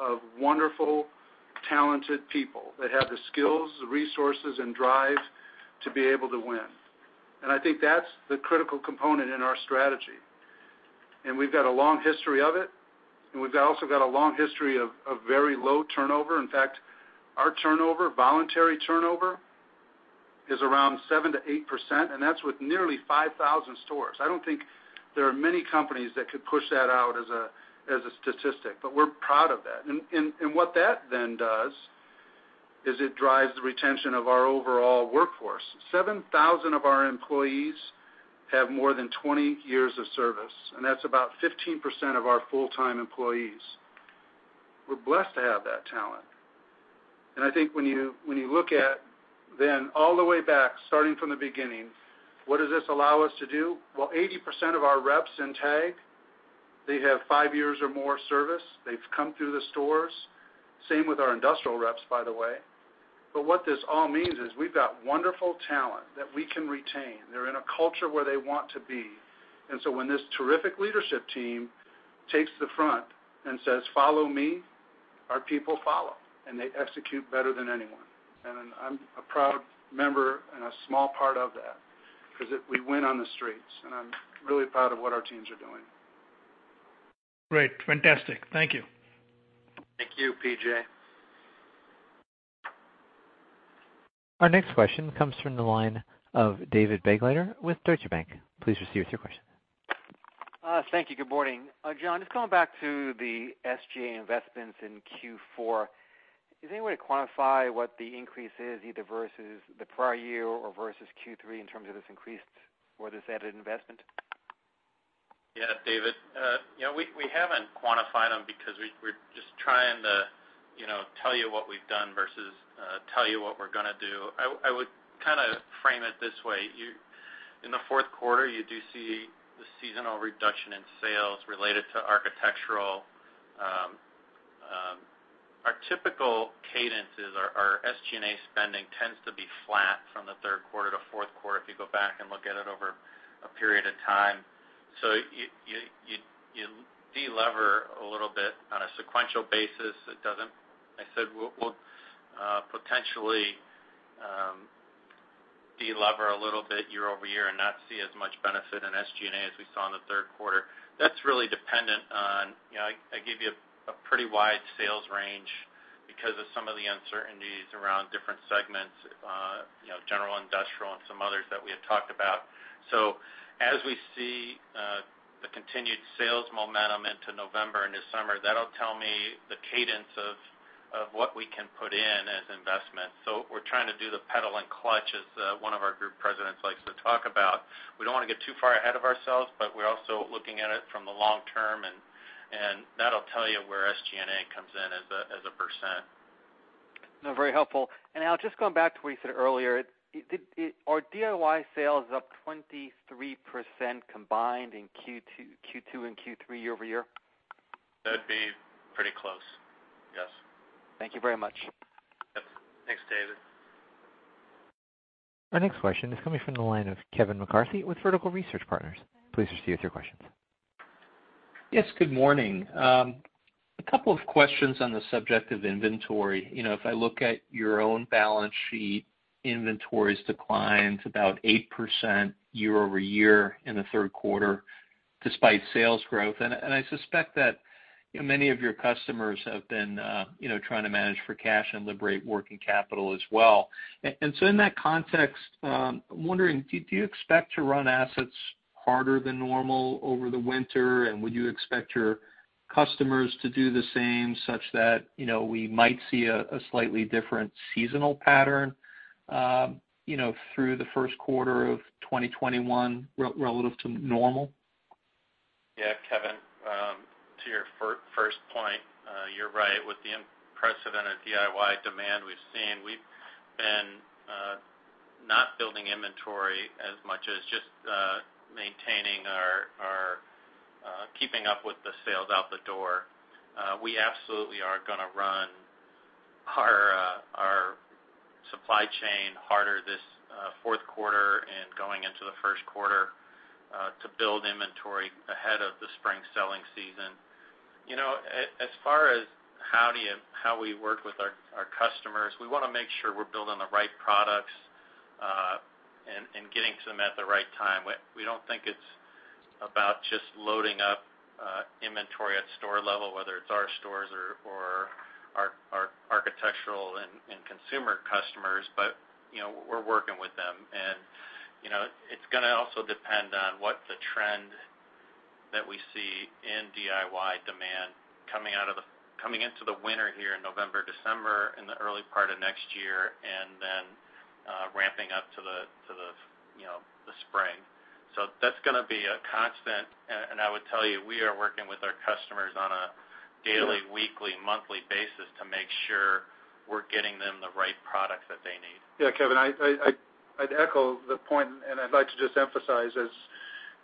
of wonderful, talented people that have the skills, the resources, and drive to be able to win. I think that's the critical component in our strategy. We've got a long history of it, and we've also got a long history of very low turnover. In fact, our turnover, voluntary turnover, is around 7% to 8%, and that's with nearly 5,000 stores. I don't think there are many companies that could push that out as a statistic, but we're proud of that. What that then does is it drives the retention of our overall workforce. 7,000 of our employees have more than 20 years of service, and that's about 15% of our full-time employees. We're blessed to have that talent. I think when you look at all the way back, starting from the beginning, what does this allow us to do? Well, 80% of our reps in TAG, they have five years or more service. They've come through the stores. Same with our industrial reps, by the way. What this all means is we've got wonderful talent that we can retain. They're in a culture where they want to be. When this terrific leadership team takes the front and says, "Follow me," our people follow, and they execute better than anyone. I'm a proud member and a small part of that because we win on the streets, and I'm really proud of what our teams are doing. Great. Fantastic. Thank you. Thank you, P.J. Our next question comes from the line of David Begleiter with Deutsche Bank. Please proceed with your question. Thank you. Good morning. John, just going back to the SG&A investments in Q4, is there any way to quantify what the increase is, either versus the prior year or versus Q3 in terms of this increased or this added investment? Yes, David. We haven't quantified them because we're just trying to tell you what we've done versus tell you what we're going to do. I would kind of frame it this way. In the fourth quarter, you do see the seasonal reduction in sales related to architectural. Our typical cadence is our SG&A spending tends to be flat from the third quarter to fourth quarter if you go back and look at it over a period of time. You de-lever a little bit on a sequential basis. I said we'll potentially de-lever a little bit year-over-year and not see as much benefit in SG&A as we saw in the third quarter. That's really dependent on I gave you a pretty wide sales range because of some of the uncertainties around different segments, general industrial and some others that we had talked about. The continued sales momentum into November and December, that'll tell me the cadence of what we can put in as investment. We're trying to do the pedal and clutch as one of our group presidents likes to talk about. We don't want to get too far ahead of ourselves, we're also looking at it from the long term, that'll tell you where SG&A comes in as a percent. No, very helpful. Al, just going back to what you said earlier, are DIY sales up 23% combined in Q2 and Q3 year-over-year? That'd be pretty close. Yes. Thank you very much. Yep. Thanks, David. Our next question is coming from the line of Kevin McCarthy with Vertical Research Partners. Please proceed with your questions. Yes, good morning. A couple of questions on the subject of inventory. If I look at your own balance sheet, inventories declined about 8% year-over-year in the third quarter despite sales growth. I suspect that many of your customers have been trying to manage for cash and liberate working capital as well. In that context, I'm wondering, do you expect to run assets harder than normal over the winter? Would you expect your customers to do the same, such that we might see a slightly different seasonal pattern through the first quarter of 2021 relative to normal? Yeah, Kevin. To your first point, you're right. With the unprecedented DIY demand we've seen, we've been not building inventory as much as just maintaining or keeping up with the sales out the door. We absolutely are going to run our supply chain harder this fourth quarter and going into the first quarter to build inventory ahead of the spring selling season. As far as how we work with our customers, we want to make sure we're building the right products and getting to them at the right time. We don't think it's about just loading up inventory at store level, whether it's our stores or our architectural and consumer customers. We're working with them, and it's going to also depend on what the trend that we see in DIY demand coming into the winter here in November, December, in the early part of next year, and then ramping up to the spring. That's going to be a constant. I would tell you, we are working with our customers on a daily, weekly, monthly basis to make sure we're getting them the right products that they need. Yeah, Kevin, I'd echo the point, and I'd like to just emphasize,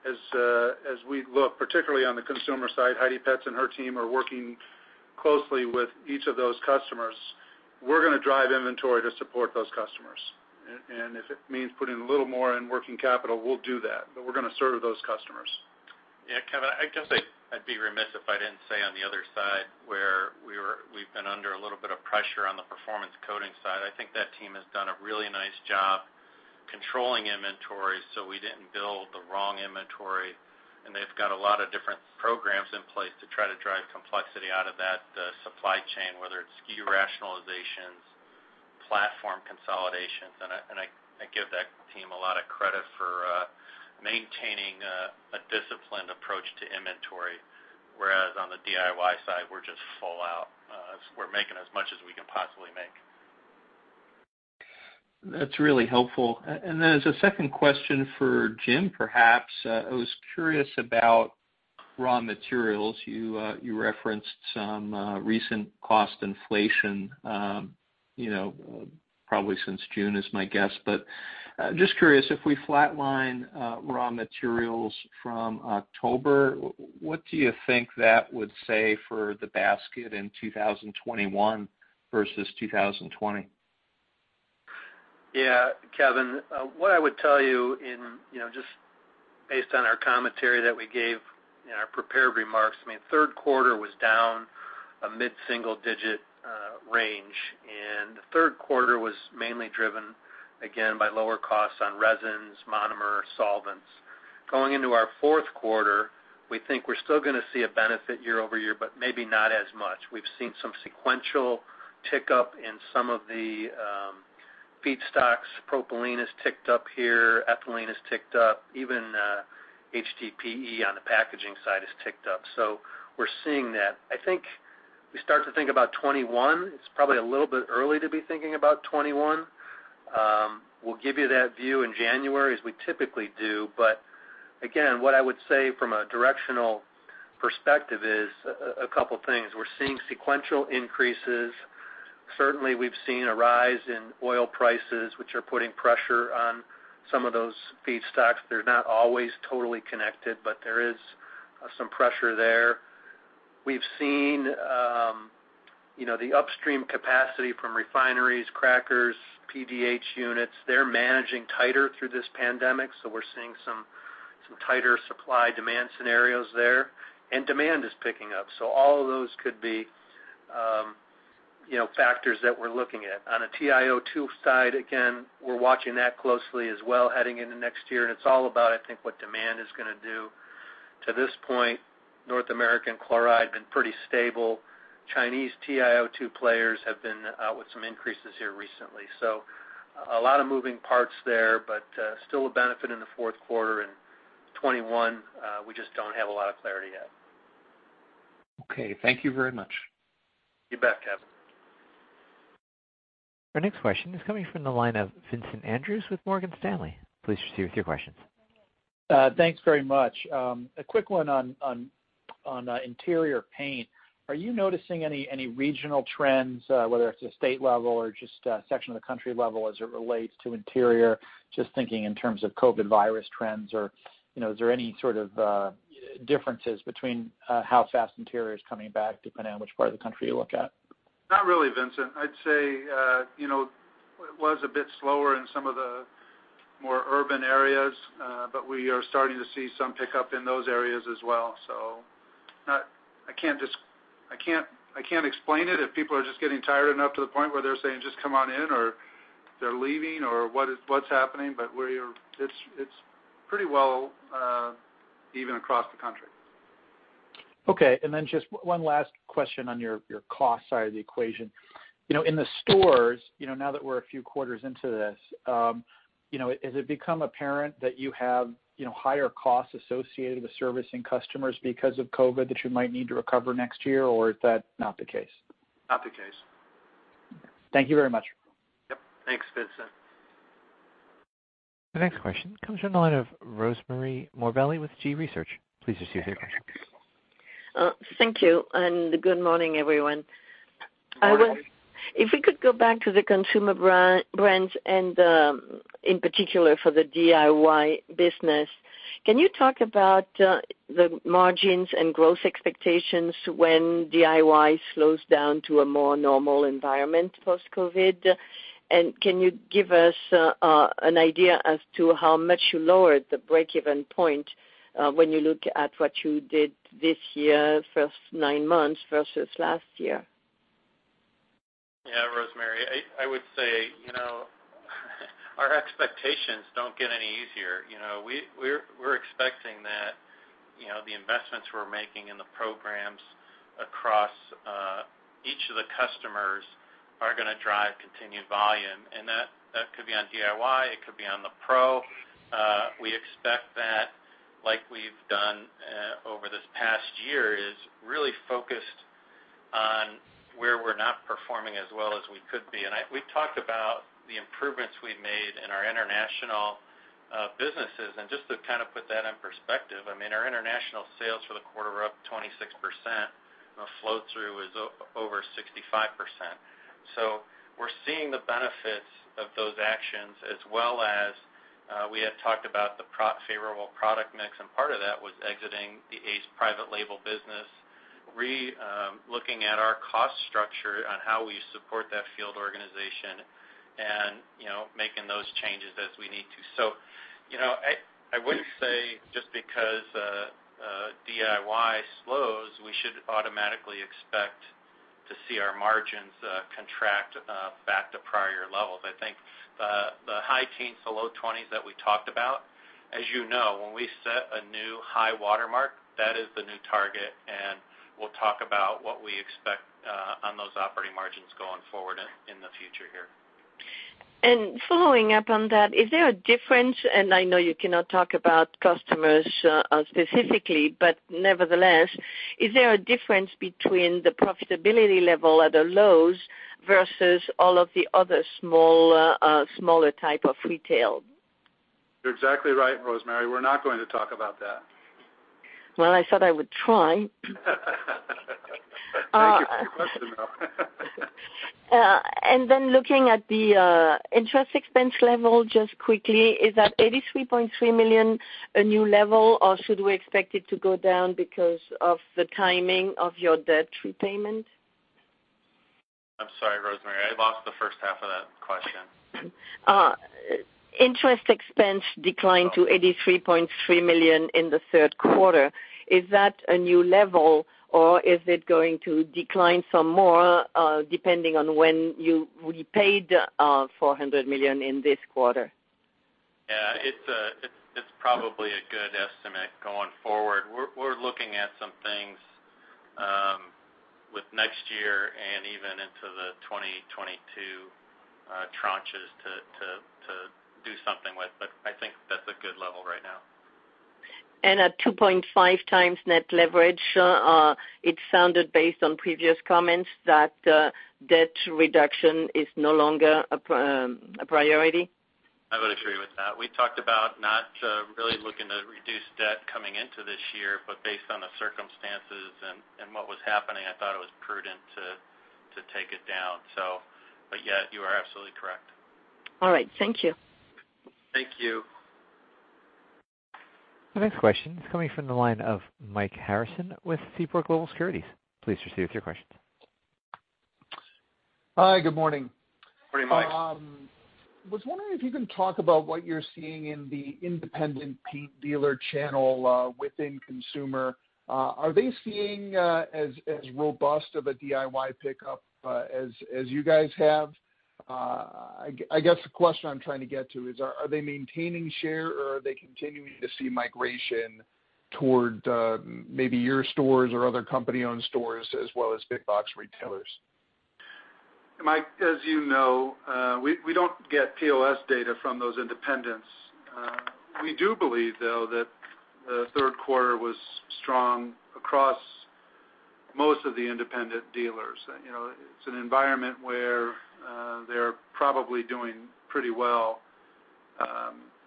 as we look particularly on the consumer side, Heidi Petz and her team are working closely with each of those customers. We're going to drive inventory to support those customers. If it means putting a little more in working capital, we'll do that. We're going to serve those customers. Yeah, Kevin, I guess I'd be remiss if I didn't say on the other side where we've been under a little bit of pressure on the Performance Coatings side. I think that team has done a really nice job controlling inventory, so we didn't build the wrong inventory. They've got a lot of different programs in place to try to drive complexity out of that supply chain, whether it's SKU rationalizations, platform consolidations. I give that team a lot of credit for maintaining a disciplined approach to inventory, whereas on the DIY side, we're just full out. We're making as much as we can possibly make. That's really helpful. As a second question for Jim, perhaps. I was curious about raw materials. You referenced some recent cost inflation, probably since June is my guess. Just curious, if we flatline raw materials from October, what do you think that would say for the basket in 2021 versus 2020? Yeah, Kevin. What I would tell you just based on our commentary that we gave in our prepared remarks, third quarter was down a mid-single-digit range, and the third quarter was mainly driven, again, by lower costs on resins, monomer, solvents. Going into our fourth quarter, we think we're still going to see a benefit year-over-year, but maybe not as much. We've seen some sequential tick up in some of the feedstocks. Propylene has ticked up here, ethylene has ticked up. Even HDPE on the packaging side has ticked up. We're seeing that. I think we start to think about 2021, it's probably a little bit early to be thinking about 2021. We'll give you that view in January as we typically do. Again, what I would say from a directional perspective is a couple things. We're seeing sequential increases. Certainly, we've seen a rise in oil prices, which are putting pressure on some of those feedstocks. They're not always totally connected, but there is some pressure there. We've seen the upstream capacity from refineries, crackers, PDH units. They're managing tighter through this pandemic, so we're seeing some tighter supply-demand scenarios there, and demand is picking up. All of those could be factors that we're looking at. On a TiO2 side, again, we're watching that closely as well heading into next year. It's all about, I think, what demand is going to do. North American chloride been pretty stable. Chinese TiO2 players have been out with some increases here recently. A lot of moving parts there, but still a benefit in the fourth quarter and 2021, we just don't have a lot of clarity yet. Okay. Thank you very much. You bet, Kevin. Our next question is coming from the line of Vincent Andrews with Morgan Stanley. Please proceed with your questions. Thanks very much. A quick one on interior paint. Are you noticing any regional trends, whether it's at state level or just a section of the country level as it relates to interior? Just thinking in terms of COVID virus trends or is there any sort of differences between how fast interior is coming back depending on which part of the country you look at? Not really, Vincent. I'd say it was a bit slower in some of the more urban areas, but we are starting to see some pickup in those areas as well. I can't explain it if people are just getting tired enough to the point where they're saying, "Just come on in" or they're leaving or what's happening. It's pretty well even across the country. Okay, just one last question on your cost side of the equation. In the stores, now that we're a few quarters into this, has it become apparent that you have higher costs associated with servicing customers because of COVID that you might need to recover next year? Is that not the case? Not the case. Thank you very much. Yep. Thanks, Vincent. The next question comes from the line of Rosemarie Morbelli with G.research. Please proceed with your question. Thank you, and good morning, everyone. If we could go back to the Consumer Brands and, in particular, for the DIY business, can you talk about the margins and growth expectations when DIY slows down to a more normal environment post-COVID? Can you give us an idea as to how much you lowered the break-even point when you look at what you did this year, first nine months versus last year? Yeah, Rosemarie, I would say our expectations don't get any easier. We're expecting that the investments we're making in the programs across each of the customers are going to drive continued volume. That could be on DIY, it could be on the pro. We expect that, like we've done over this past year, is really focused on where we're not performing as well as we could be. We talked about the improvements we've made in our international businesses. Just to kind of put that in perspective, our international sales for the quarter were up 26%, and the flow-through is over 65%. We're seeing the benefits of those actions as well as we had talked about the favorable product mix, and part of that was exiting the Ace private label business, re-looking at our cost structure on how we support that field organization and making those changes as we need to. I wouldn't say just because DIY slows, we should automatically expect to see our margins contract back to prior levels. I think the high teens to low 20s that we talked about, as you know, when we set a new high watermark, that is the new target, and we'll talk about what we expect on those operating margins going forward in the future here. Following up on that, is there a difference, and I know you cannot talk about customers specifically, but nevertheless, is there a difference between the profitability level at the Lowe's versus all of the other smaller type of retail? You're exactly right, Rosemarie. We're not going to talk about that. Well, I thought I would try. Thank you for your question, though. Looking at the interest expense level just quickly, is that $83.3 million a new level, or should we expect it to go down because of the timing of your debt repayment? I'm sorry, Rosemarie, I lost the first half of that question. Interest expense declined to $83.3 million in the third quarter. Is that a new level, or is it going to decline some more, depending on when you repaid $400 million in this quarter? Yeah. It's probably a good estimate going forward. We're looking at some things with next year and even into the 2022 tranches to do something with, but I think that's a good level right now. At 2.5x net leverage, it sounded based on previous comments that debt reduction is no longer a priority? I would agree with that. We talked about not really looking to reduce debt coming into this year, but based on the circumstances and what was happening, I thought it was prudent to take it down. Yeah, you are absolutely correct. All right. Thank you. Thank you. The next question is coming from the line of Mike Harrison with Seaport Global Securities. Please proceed with your question. Hi, good morning. Morning, Mike. was wondering if you can talk about what you're seeing in the independent paint dealer channel within consumer. Are they seeing as robust of a DIY pickup as you guys have? I guess the question I'm trying to get to is, are they maintaining share, or are they continuing to see migration toward maybe your stores or other company-owned stores, as well as big box retailers? Mike, as you know, we don't get POS data from those independents. We do believe, though, that the third quarter was strong across most of the independent dealers. It's an environment where they're probably doing pretty well.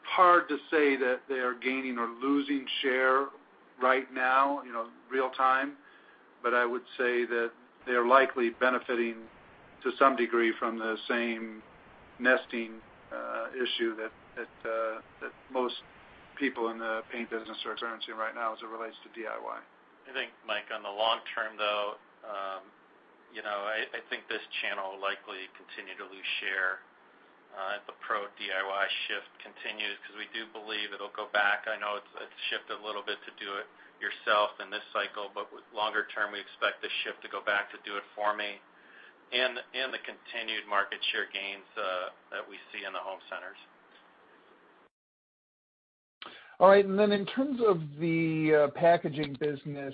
Hard to say that they are gaining or losing share right now, real time. I would say that they're likely benefiting to some degree from the same nesting issue that most people in the paint business are experiencing right now as it relates to DIY. I think, Mike, on the long term, though, I think this channel will likely continue to lose share as the pro DIY shift continues, because we do believe it'll go back. I know it's shifted a little bit to do it yourself in this cycle, but longer term, we expect the shift to go back to do it for me, and the continued market share gains that we see in the home centers. All right. In terms of the packaging business,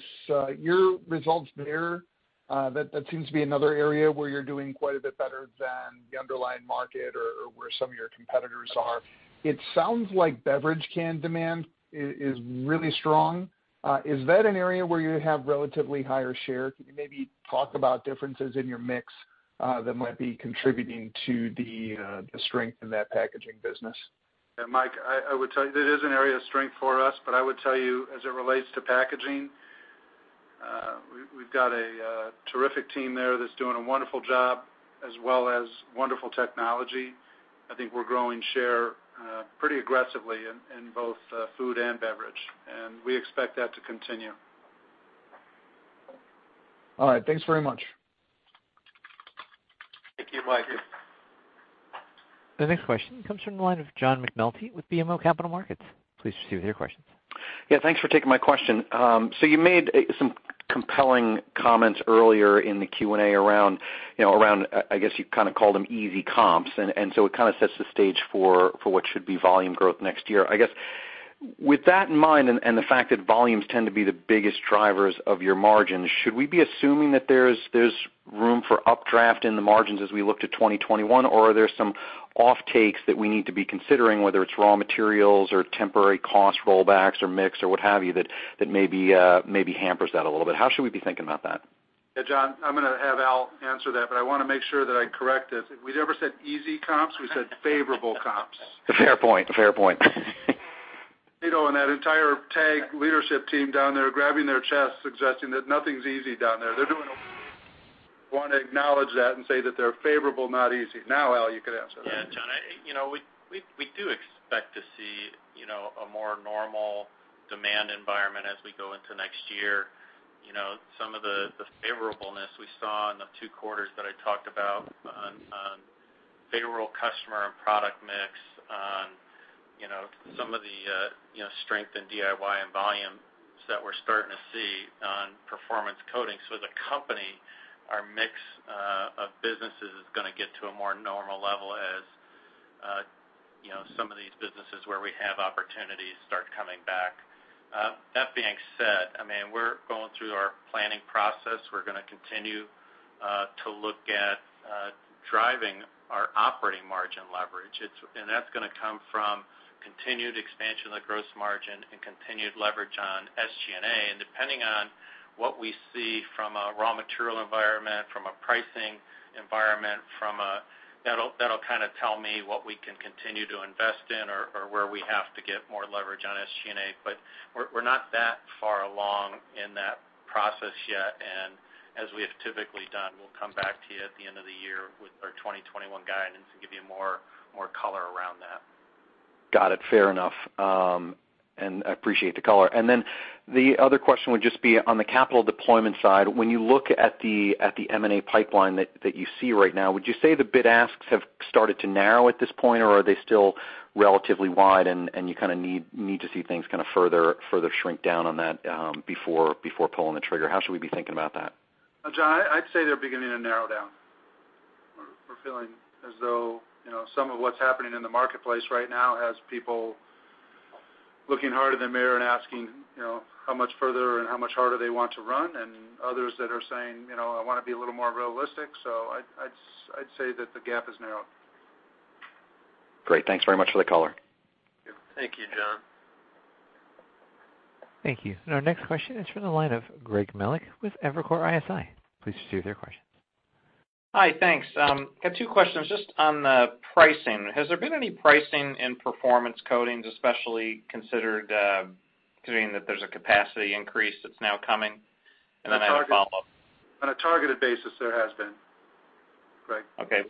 your results there, that seems to be another area where you're doing quite a bit better than the underlying market or where some of your competitors are. It sounds like beverage can demand is really strong. Is that an area where you have relatively higher share? Can you maybe talk about differences in your mix that might be contributing to the strength in that packaging business? Yeah, Mike, I would tell you, that is an area of strength for us. I would tell you, as it relates to packaging, we've got a terrific team there that's doing a wonderful job, as well as wonderful technology. I think we're growing share pretty aggressively in both food and beverage, and we expect that to continue. All right. Thanks very much. Thank you, Mike. The next question comes from the line of John McNulty with BMO Capital Markets. Please proceed with your question. Yeah, thanks for taking my question. You made some compelling comments earlier in the Q&A around, I guess you kind of called them easy comps, and so it kind of sets the stage for what should be volume growth next year. I guess, with that in mind, and the fact that volumes tend to be the biggest drivers of your margins, should we be assuming that there's room for updraft in the margins as we look to 2021, or are there some off-takes that we need to be considering, whether it's raw materials or temporary cost rollbacks or mix or what have you, that maybe hampers that a little bit? How should we be thinking about that? Yeah, John, I'm going to have Al answer that, but I want to make sure that I correct it. If we ever said easy comps, we said favorable comps. A fair point. You know, that entire TAG leadership team down there grabbing their chests, suggesting that nothing's easy down there. Want to acknowledge that and say that they're favorable, not easy. Al, you can answer that. Yeah, John, we do expect to see a more normal demand environment as we go into next year. Some of the favorableness we saw in the two quarters that I talked about on favorable customer and product mix on some of the strength in DIY and volumes that we're starting to see on Performance Coatings. As a company, our mix of businesses is going to get to a more normal level as some of these businesses where we have opportunities start coming back. That being said, we're going through our planning process. We're going to continue to look at driving our operating margin leverage. That's going to come from continued expansion of the gross margin and continued leverage on SG&A. Depending on what we see from a raw material environment, from a pricing environment, that'll kind of tell me what we can continue to invest in or where we have to get more leverage on SG&A. We're not that far along in that process yet, and as we have typically done, we'll come back to you at the end of the year with our 2021 guidance and give you more color around that. Got it. Fair enough. I appreciate the color. The other question would just be on the capital deployment side. When you look at the M&A pipeline that you see right now, would you say the bid asks have started to narrow at this point, or are they still relatively wide, and you kind of need to see things kind of further shrink down on that before pulling the trigger? How should we be thinking about that? John, I'd say they're beginning to narrow down. We're feeling as though some of what's happening in the marketplace right now has people looking harder in the mirror and asking how much further and how much harder they want to run, and others that are saying, "I want to be a little more realistic." I'd say that the gap has narrowed. Great. Thanks very much for the color. Thank you, John. Thank you. Our next question is from the line of Greg Melich with Evercore ISI. Please proceed with your question. Hi, thanks. Got two questions. Just on the pricing, has there been any pricing in performance coatings, especially considering that there's a capacity increase that's now coming? Then I have a follow-up. On a targeted basis, there has been, Greg. Okay.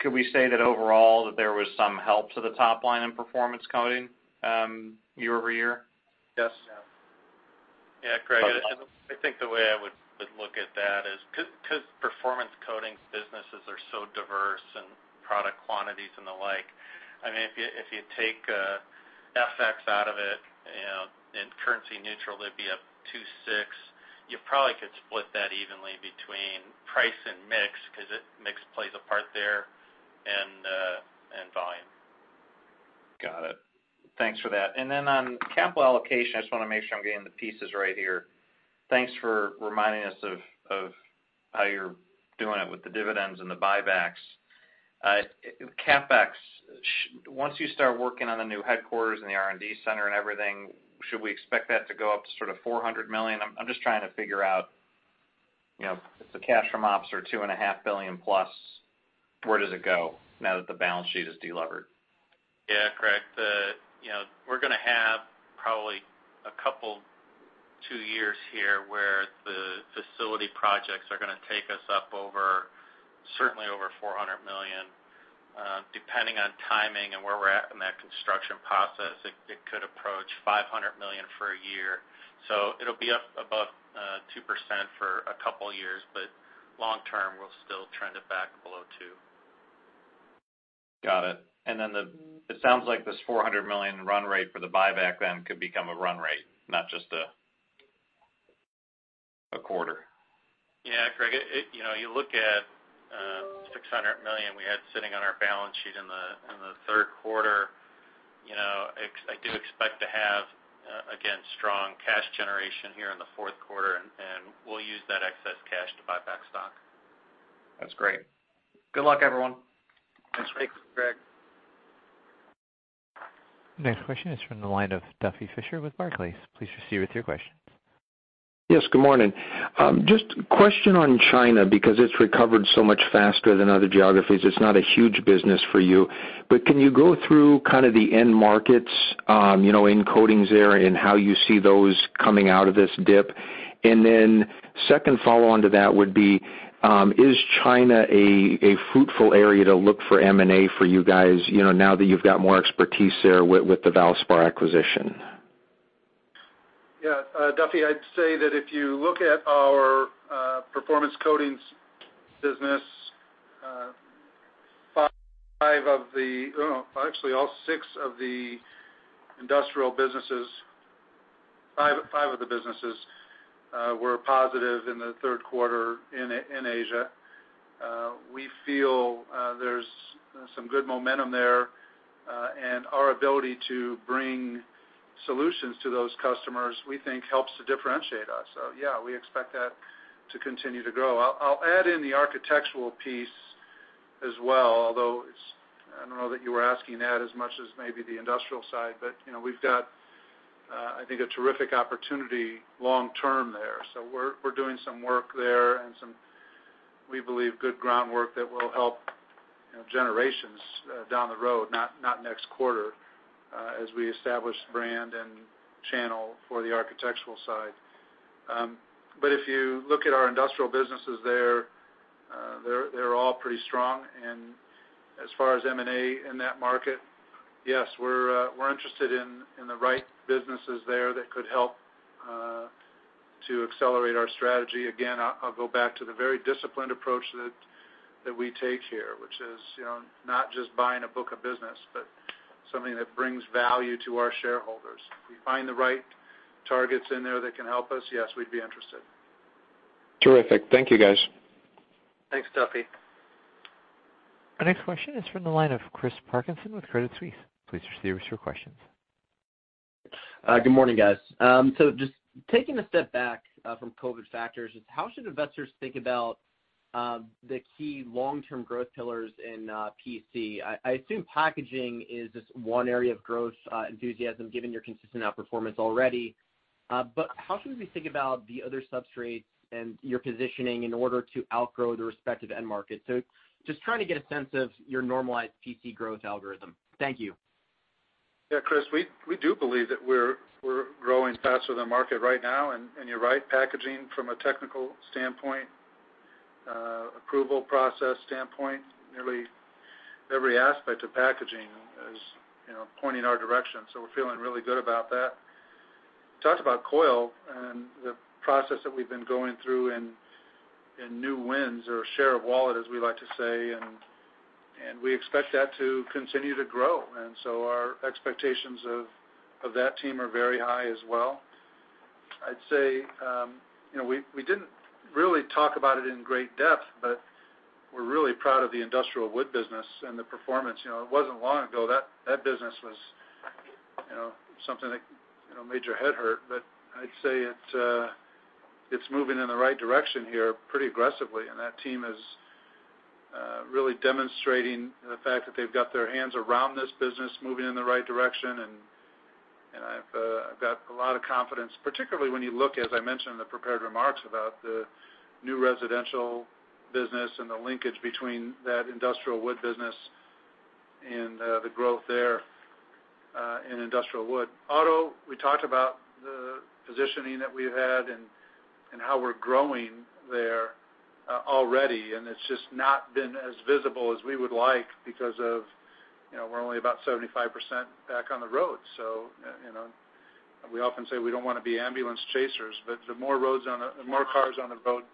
Could we say that overall, that there was some help to the top line in Performance Coatings year-over-year? Yes. Yeah, Greg, I think the way I would look at that is because performance coatings businesses are so diverse and product quantities and the like, if you take FX out of it, you know, currency-neutral, they'd be up 2.6%. You probably could split that evenly between price and mix, because mix plays a part there, and volume. Got it. Thanks for that. On capital allocation, I just want to make sure I'm getting the pieces right here. Thanks for reminding us of how you're doing it with the dividends and the buybacks. CapEx, once you start working on the new headquarters and the R&D center and everything, should we expect that to go up to sort of $400 million? I'm just trying to figure out, if the cash from ops are $2.5 billion+, where does it go now that the balance sheet is de-levered? Yeah, Greg. We're going to have probably a couple, two years here where the facility projects are going to take us up certainly over $400 million. Depending on timing and where we're at in that construction process, it could approach $500 million for a year. It'll be up above 2% for a couple of years, but long term, we'll still trend it back below two. Got it. It sounds like this $400 million run rate for the buyback then could become a run rate, not just a quarter. Yeah, Greg, you look at $600 million we had sitting on our balance sheet in the third quarter. I do expect to have, again, strong cash generation here in the fourth quarter, and we'll use that excess cash to buy back stock. That's great. Good luck, everyone. Thanks, Greg. Next question is from the line of Duffy Fischer with Barclays. Please proceed with your questions. Yes, good morning. Just a question on China, because it's recovered so much faster than other geographies. It's not a huge business for you. Can you go through kind of the end markets, in coatings there, and how you see those coming out of this dip? Second follow-on to that would be, is China a fruitful area to look for M&A for you guys, now that you've got more expertise there with the Valspar acquisition? Yeah. Duffy, I'd say that if you look at our Performance Coatings business, actually all six of the industrial businesses, five of the businesses were positive in the third quarter in Asia. We feel there's some good momentum there, and our ability to bring solutions to those customers, we think helps to differentiate us. Yeah, we expect that to continue to grow. I'll add in the architectural piece as well, although I don't know that you were asking that as much as maybe the industrial side. We've got, I think, a terrific opportunity long term there. We're doing some work there and some, we believe, good groundwork that will help generations down the road, not next quarter, as we establish brand and channel for the architectural side. If you look at our industrial businesses there, they're all pretty strong. As far as M&A in that market, yes, we're interested in the right businesses there that could help to accelerate our strategy. Again, I'll go back to the very disciplined approach that we take here, which is not just buying a book of business, but something that brings value to our shareholders. If we find the right targets in there that can help us, yes, we'd be interested. Terrific. Thank you, guys. Thanks, Duffy. Our next question is from the line of Chris Parkinson with Credit Suisse. Please proceed with your questions. Good morning, guys. Just taking a step back from COVID factors, how should investors think about the key long-term growth pillars in PC? I assume packaging is just one area of growth enthusiasm given your consistent outperformance already. How should we think about the other substrates and your positioning in order to outgrow the respective end market? Just trying to get a sense of your normalized PC growth algorithm. Thank you. Yeah, Chris, we do believe that we're growing faster than market right now, and you're right, packaging from a technical standpoint, approval process standpoint, nearly every aspect of packaging is pointing our direction. We're feeling really good about that. We talked about coil and the process that we've been going through in new wins or share of wallet, as we like to say, and we expect that to continue to grow. Our expectations of that team are very high as well. I'd say we didn't really talk about it in great depth, but we're really proud of the industrial wood business and the performance. It wasn't long ago that that business was something that made your head hurt. I'd say it's moving in the right direction here pretty aggressively, and that team is really demonstrating the fact that they've got their hands around this business moving in the right direction, and I've got a lot of confidence, particularly when you look, as I mentioned in the prepared remarks, about the new residential business and the linkage between that industrial wood business and the growth there in industrial wood. Auto, we talked about the positioning that we've had and how we're growing there already, and it's just not been as visible as we would like because of we're only about 75% back on the road. We often say we don't want to be ambulance chasers, but the more cars on the road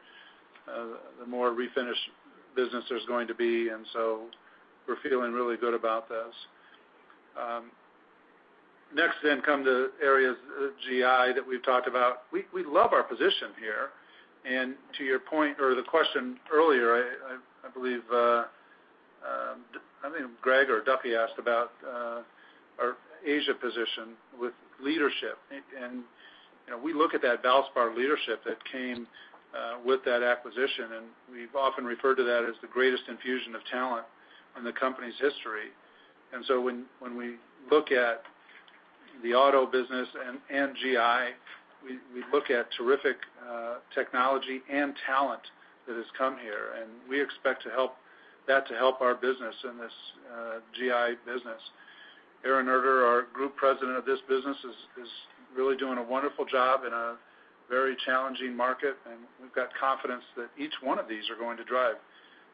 The more refinish business there's going to be, we're feeling really good about this. Next, come to areas, GI that we've talked about. We love our position here. To your point or the question earlier, I believe Greg or Duffy asked about our Asia position with leadership. We look at that Valspar leadership that came with that acquisition, and we've often referred to that as the greatest infusion of talent in the company's history. When we look at the auto business and GI, we look at terrific technology and talent that has come here, and we expect that to help our business in this GI business. Aaron Erter, our Group President of this business, is really doing a wonderful job in a very challenging market, and we've got confidence that each one of these are going to drive.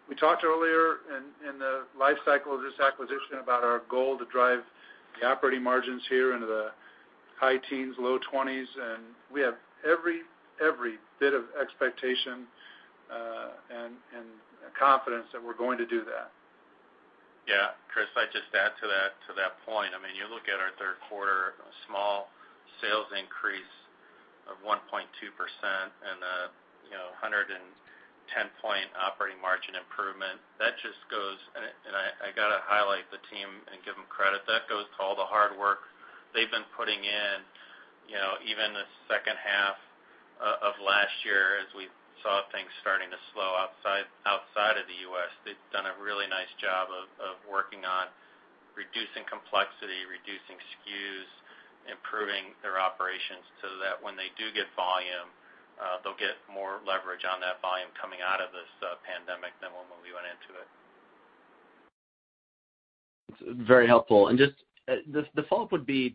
We talked earlier in the life cycle of this acquisition about our goal to drive the operating margins here into the high teens, low 20s, and we have every bit of expectation and confidence that we're going to do that. Yeah. Chris, I'd just add to that point. You look at our third quarter small sales increase of 1.2% and the 110-point operating margin improvement. I got to highlight the team and give them credit. That goes to all the hard work they've been putting in. Even the second half of last year, as we saw things starting to slow outside of the U.S., they've done a really nice job of working on reducing complexity, reducing SKUs, improving their operations, so that when they do get volume, they'll get more leverage on that volume coming out of this pandemic than when we went into it. Very helpful. Just the follow-up would be,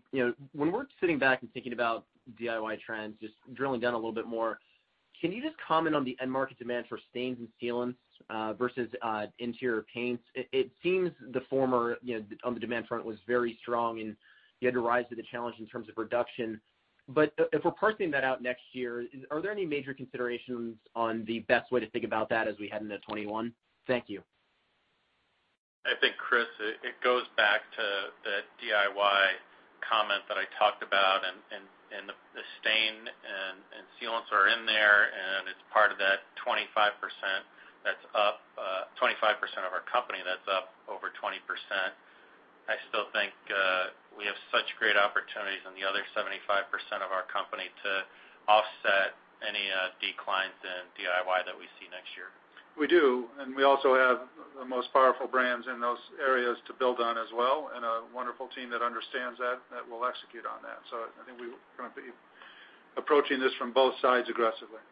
when we're sitting back and thinking about DIY trends, just drilling down a little bit more, can you just comment on the end market demand for stains and sealants versus interior paints? It seems the former, on the demand front, was very strong, and you had to rise to the challenge in terms of production. If we're parsing that out next year, are there any major considerations on the best way to think about that as we head into 2021? Thank you. I think, Chris, it goes back to that DIY comment that I talked about, and the stain and sealants are in there, and it's part of that 25% of our company that's up over 20%. I still think we have such great opportunities in the other 75% of our company to offset any declines in DIY that we see next year. We do. We also have the most powerful brands in those areas to build on as well, and a wonderful team that understands that will execute on that. I think we're going to be approaching this from both sides aggressively.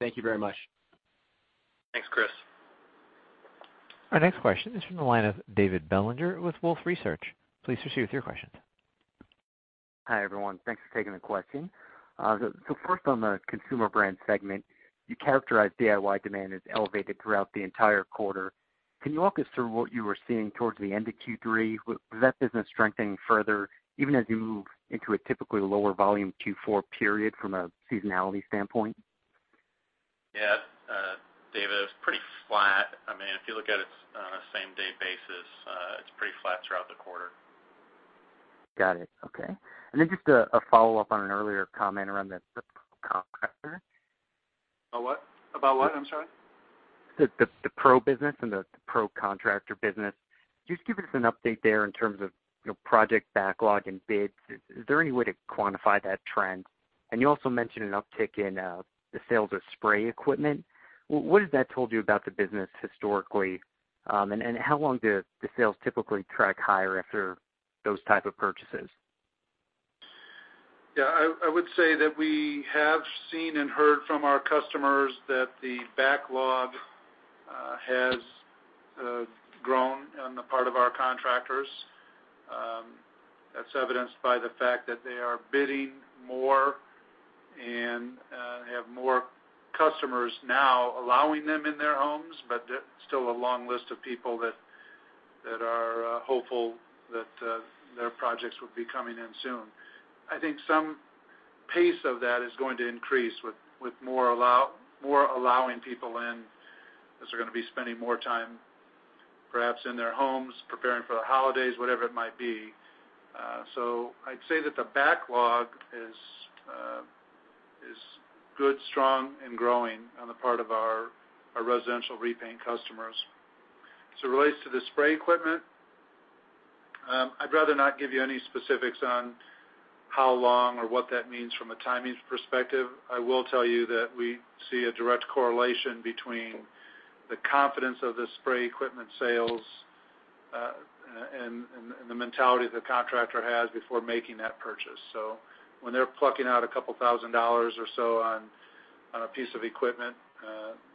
Thank you very much. Thanks, Chris. Our next question is from the line of David Bellinger with Wolfe Research. Please proceed with your questions. Hi, everyone. Thanks for taking the question. First, on the Consumer Brands segment, you characterized DIY demand as elevated throughout the entire quarter. Can you walk us through what you were seeing towards the end of Q3? Was that business strengthening further, even as you move into a typically lower volume Q4 period from a seasonality standpoint? David, it was pretty flat. If you look at it on a same-day basis, it's pretty flat throughout the quarter. Got it. Okay. Just a follow-up on an earlier comment around the pro contractor. About what? I'm sorry. The pro business and the pro contractor business. Can you just give us an update there in terms of project backlog and bids? Is there any way to quantify that trend? You also mentioned an uptick in the sales of spray equipment. What has that told you about the business historically? How long do the sales typically track higher after those type of purchases? Yeah. I would say that we have seen and heard from our customers that the backlog has grown on the part of our contractors. That's evidenced by the fact that they are bidding more and have more customers now allowing them in their homes, but there's still a long list of people that are hopeful that their projects will be coming in soon. I think some pace of that is going to increase with more allowing people in, as they're going to be spending more time perhaps in their homes preparing for the holidays, whatever it might be. I'd say that the backlog is good, strong, and growing on the part of our residential repaint customers. As it relates to the spray equipment, I'd rather not give you any specifics on how long or what that means from a timings perspective. I will tell you that we see a direct correlation between the confidence of the spray equipment sales and the mentality the contractor has before making that purchase. When they're plucking out a couple thousand dollars or so on a piece of equipment,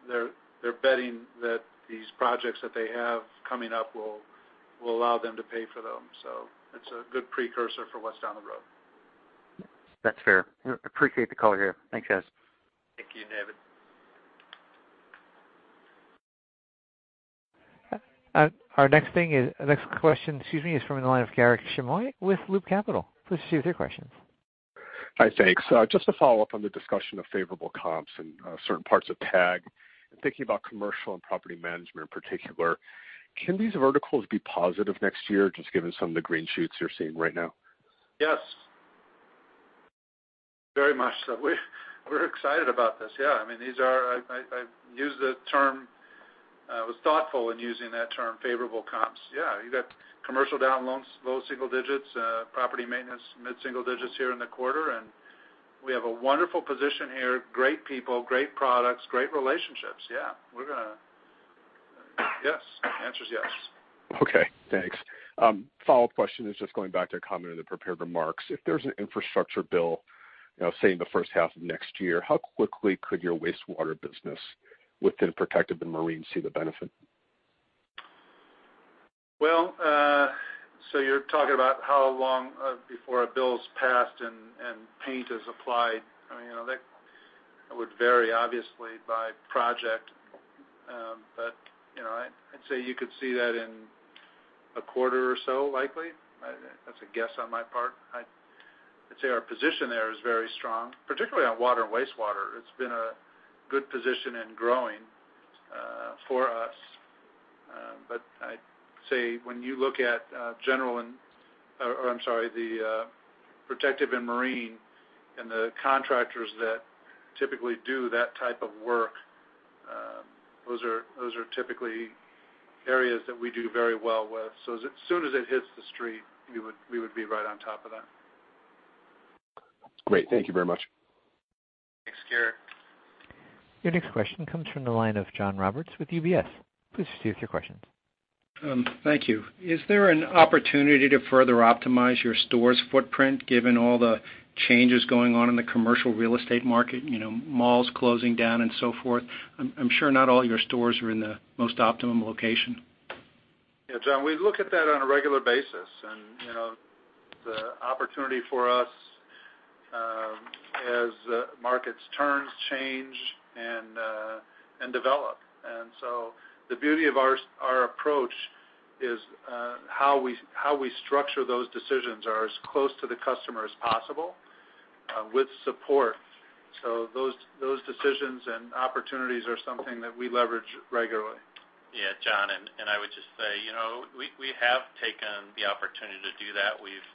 they're betting that these projects that they have coming up will allow them to pay for them. It's a good precursor for what's down the road. That's fair. I appreciate the color here. Thanks, guys. Thank you, David. Our next question is from the line of Garik Shmois with Loop Capital. Please proceed with your questions. Hi, thanks. Just to follow up on the discussion of favorable comps in certain parts of TAG, thinking about commercial and property management in particular, can these verticals be positive next year, just given some of the green shoots you're seeing right now? Yes. Very much so. We're excited about this. Yeah, I was thoughtful in using that term, favorable comps. Yeah. You got commercial down low single digits, property maintenance mid-single digits here in the quarter, and we have a wonderful position here, great people, great products, great relationships. Yeah. Yes. The answer's yes. Okay, thanks. Follow-up question is just going back to a comment in the prepared remarks. If there's an infrastructure bill, say, in the first half of next year, how quickly could your wastewater business within Protective & Marine see the benefit? Well, you're talking about how long before a bill's passed and paint is applied. That would vary, obviously, by project. I'd say you could see that in a quarter or so, likely. That's a guess on my part. I'd say our position there is very strong, particularly on water and wastewater. It's been a good position and growing for us. I'd say when you look at the Protective & Marine and the contractors that typically do that type of work, those are typically areas that we do very well with. As soon as it hits the street, we would be right on top of that. Great. Thank you very much. Thanks, Garik. Your next question comes from the line of John Roberts with UBS. Please proceed with your question. Thank you. Is there an opportunity to further optimize your stores' footprint, given all the changes going on in the commercial real estate market, malls closing down and so forth? I'm sure not all your stores are in the most optimum location. Yeah, John, we look at that on a regular basis, the opportunity for us as markets turn, change, and develop. The beauty of our approach is how we structure those decisions are as close to the customer as possible with support. Those decisions and opportunities are something that we leverage regularly. Yeah, John, I would just say, we have taken the opportunity to do that. We've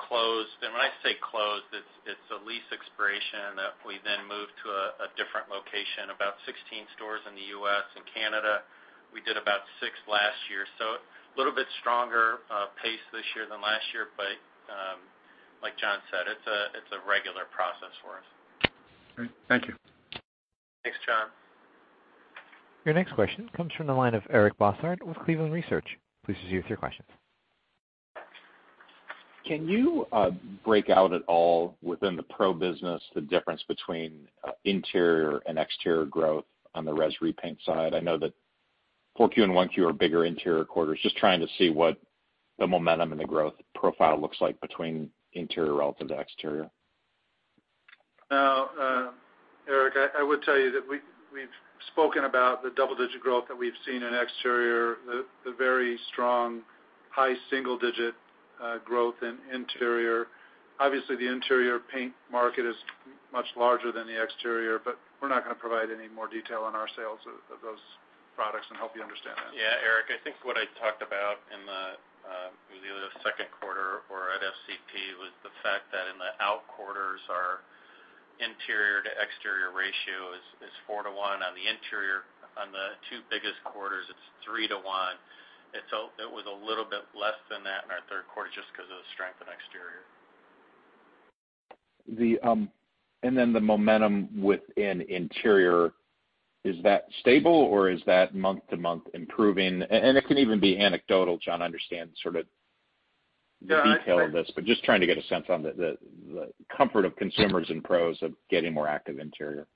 closed, and when I say closed, it's a lease expiration that we then moved to a different location, about 16 stores in the U.S. and Canada. We did about six last year. A little bit stronger pace this year than last year, but, like John said, it's a regular process for us. Great. Thank you. Thanks, John. Your next question comes from the line of Eric Bosshard with Cleveland Research. Please proceed with your question. Can you break out at all within the pro business the difference between interior and exterior growth on the res repaint side? I know that 4Q and 1Q are bigger interior quarters. Just trying to see what the momentum and the growth profile looks like between interior relative to exterior. Eric, I will tell you that we've spoken about the double-digit growth that we've seen in exterior, the very strong high single-digit growth in interior. Obviously, the interior paint market is much larger than the exterior, but we're not going to provide any more detail on our sales of those products and help you understand that. Yeah, Eric, I think what I talked about in the second quarter or at FCP was the fact that in the out quarters, our interior to exterior ratio is 4:1. On the interior, on the two biggest quarters, it's 3 to 1. It was a little bit less than that in our third quarter just because of the strength in exterior. The momentum within interior, is that stable, or is that month-to-month improving? It can even be anecdotal, John, I understand sort of the detail of this, but just trying to get a sense on the comfort of consumers and pros of getting more active interior.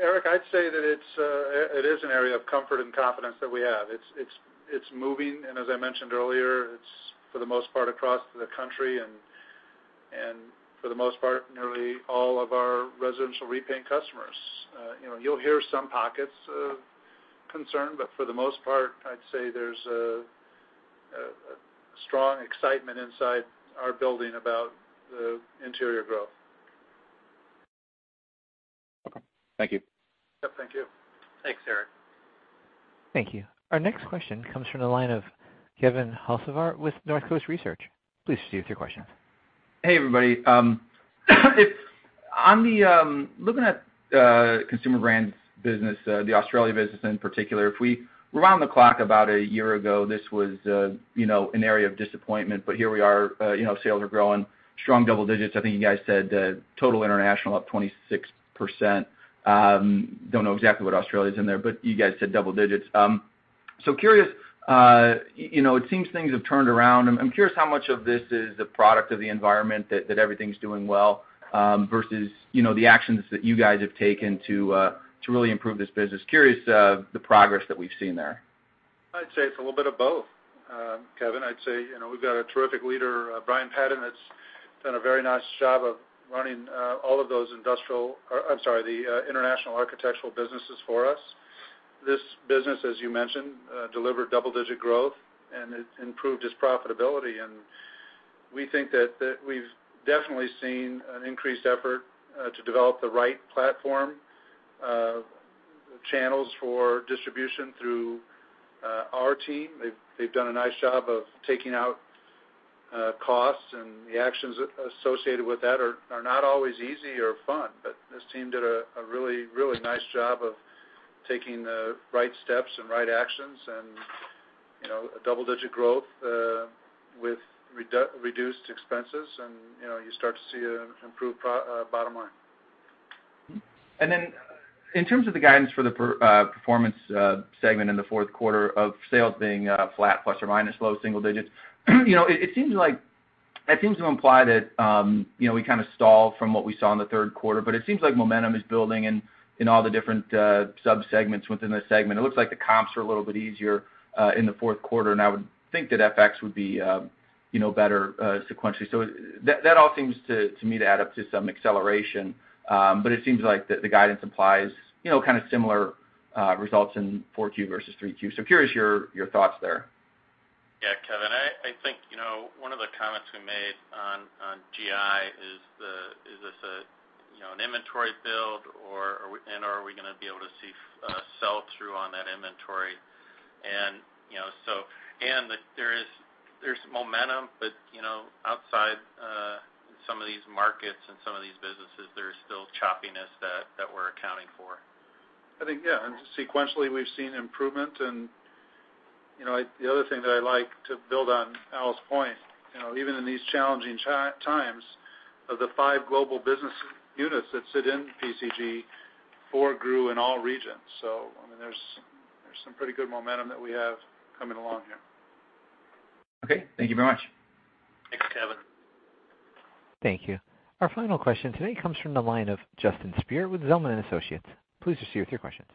Eric, I'd say that it is an area of comfort and confidence that we have. It's moving, and as I mentioned earlier, it's for the most part across the country, and for the most part, nearly all of our residential repaint customers. You'll hear some pockets of concern, but for the most part, I'd say there's a strong excitement inside our building about the interior growth. Okay. Thank you. Yep, thank you. Thanks, Eric. Thank you. Our next question comes from the line of Kevin Hocevar with Northcoast Research. Please proceed with your question. Hey, everybody. Looking at Consumer Brands Group business, the Australia business in particular, if we round the clock about a year ago, this was an area of disappointment. Here we are, sales are growing, strong double digits. I think you guys said total international up 26%. Don't know exactly what Australia's in there. You guys said double digits. It seems things have turned around. I'm curious how much of this is a product of the environment that everything's doing well, versus the actions that you guys have taken to really improve this business. Curious, the progress that we've seen there. I'd say it's a little bit of both, Kevin. I'd say we've got a terrific leader, Brian Padden, that's done a very nice job of running all of those international architectural businesses for us. This business, as you mentioned, delivered double-digit growth and it improved its profitability. We think that we've definitely seen an increased effort to develop the right platform, channels for distribution through our team. They've done a nice job of taking out costs, the actions associated with that are not always easy or fun. This team did a really nice job of taking the right steps and right actions and a double-digit growth with reduced expenses. You start to see an improved bottom line. In terms of the guidance for the Performance segment in the fourth quarter of sales being flat plus or minus low single digits. It seems to imply that we kind of stalled from what we saw in the third quarter, but it seems like momentum is building in all the different sub-segments within the segment. It looks like the comps are a little bit easier in the fourth quarter, and I would think that FX would be better sequentially. That all seems to me to add up to some acceleration. It seems like the guidance implies kind of similar results in 4Q versus 3Q. Curious your thoughts there. Yeah. Kevin, I think, one of the comments we made on GI is this an inventory build or are we going to be able to see sell-through on that inventory? There's momentum, but outside some of these markets and some of these businesses, there's still choppiness that we're accounting for. I think, yeah, sequentially we've seen improvement and the other thing that I like to build on Al's point, even in these challenging times, of the five global business units that sit in PCG, four grew in all regions. I mean, there's some pretty good momentum that we have coming along here. Okay. Thank you very much. Thanks, Kevin. Thank you. Our final question today comes from the line of Justin Speer with Zelman & Associates. Please proceed with your questions.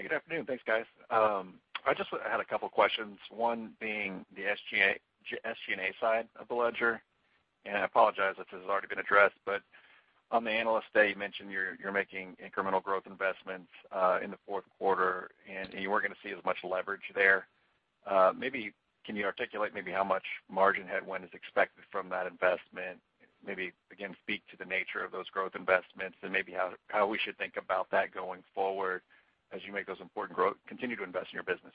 Good afternoon. Thanks, guys. I just had a couple questions. One being the SG&A side of the ledger, and I apologize if this has already been addressed, but on the Analyst Day, you mentioned you're making incremental growth investments in the fourth quarter, and you weren't going to see as much leverage there. Can you articulate maybe how much margin headwind is expected from that investment? Maybe again, speak to the nature of those growth investments and maybe how we should think about that going forward as you make those important continue to invest in your business.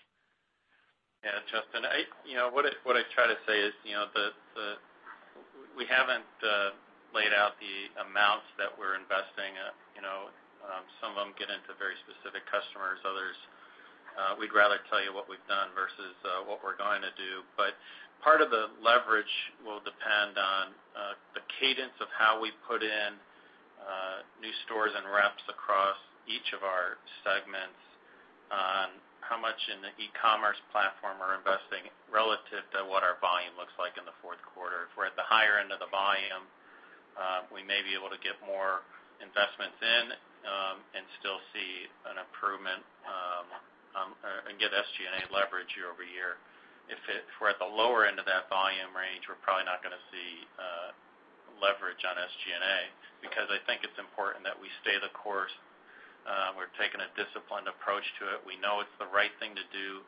Yeah. Justin, what I try to say is, we haven't laid out the amounts that we're investing. Some of them get into very specific customers, others, we'd rather tell you what we've done versus what we're going to do. Part of the leverage will depend on the cadence of how we put in new stores and reps across each of our segments on how much in the e-commerce platform we're investing relative to what our volume looks like in the fourth quarter. If we're at the higher end of the volume, we may be able to get more investments in, and still see an improvement, and get SG&A leverage year-over-year. If we're at the lower end of that volume range, we're probably not going to see leverage on SG&A, because I think it's important that we stay the course. We're taking a disciplined approach to it. We know it's the right thing to do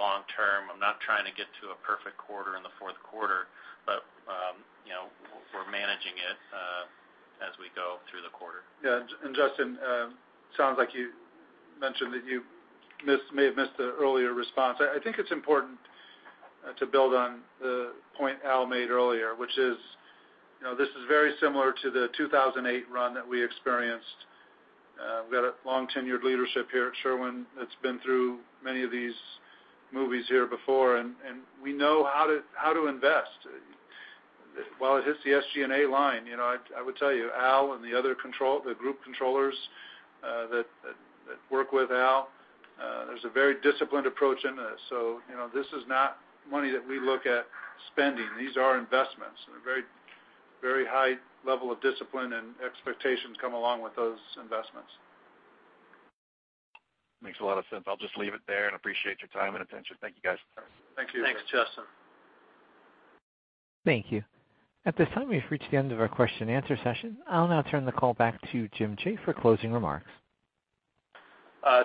long term. I'm not trying to get to a perfect quarter in the fourth quarter, but we're managing it as we go through the quarter. Yeah. Justin, sounds like you mentioned that you may have missed the earlier response. I think it's important to build on the point Al made earlier, which is, this is very similar to the 2008 run that we experienced. We've got a long-tenured leadership here at Sherwin that's been through many of these movies here before, and we know how to invest. While it hits the SG&A line, I would tell you, Al and the group controllers that work with Al, there's a very disciplined approach in this. This is not money that we look at spending. These are investments and a very high level of discipline and expectations come along with those investments. Makes a lot of sense. I'll just leave it there. Appreciate your time and attention. Thank you, guys. Thank you. Thanks, Justin. Thank you. At this time, we've reached the end of our question-and-answer session. I'll now turn the call back to Jim Jaye for closing remarks.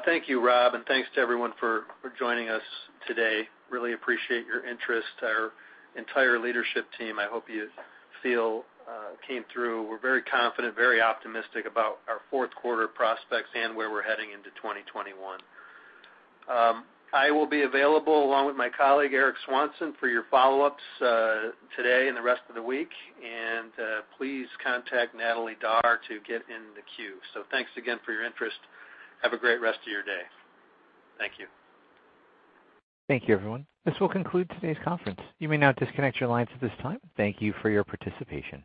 Thank you, Rob, thanks to everyone for joining us today. Really appreciate your interest. Our entire leadership team, I hope you feel came through. We're very confident, very optimistic about our fourth quarter prospects and where we're heading into 2021. I will be available along with my colleague, Eric Swanson, for your follow-ups today and the rest of the week. Please contact Natalie Darr to get in the queue. Thanks again for your interest. Have a great rest of your day. Thank you. Thank you everyone. This will conclude today's conference. You may now disconnect your lines at this time. Thank you for your participation.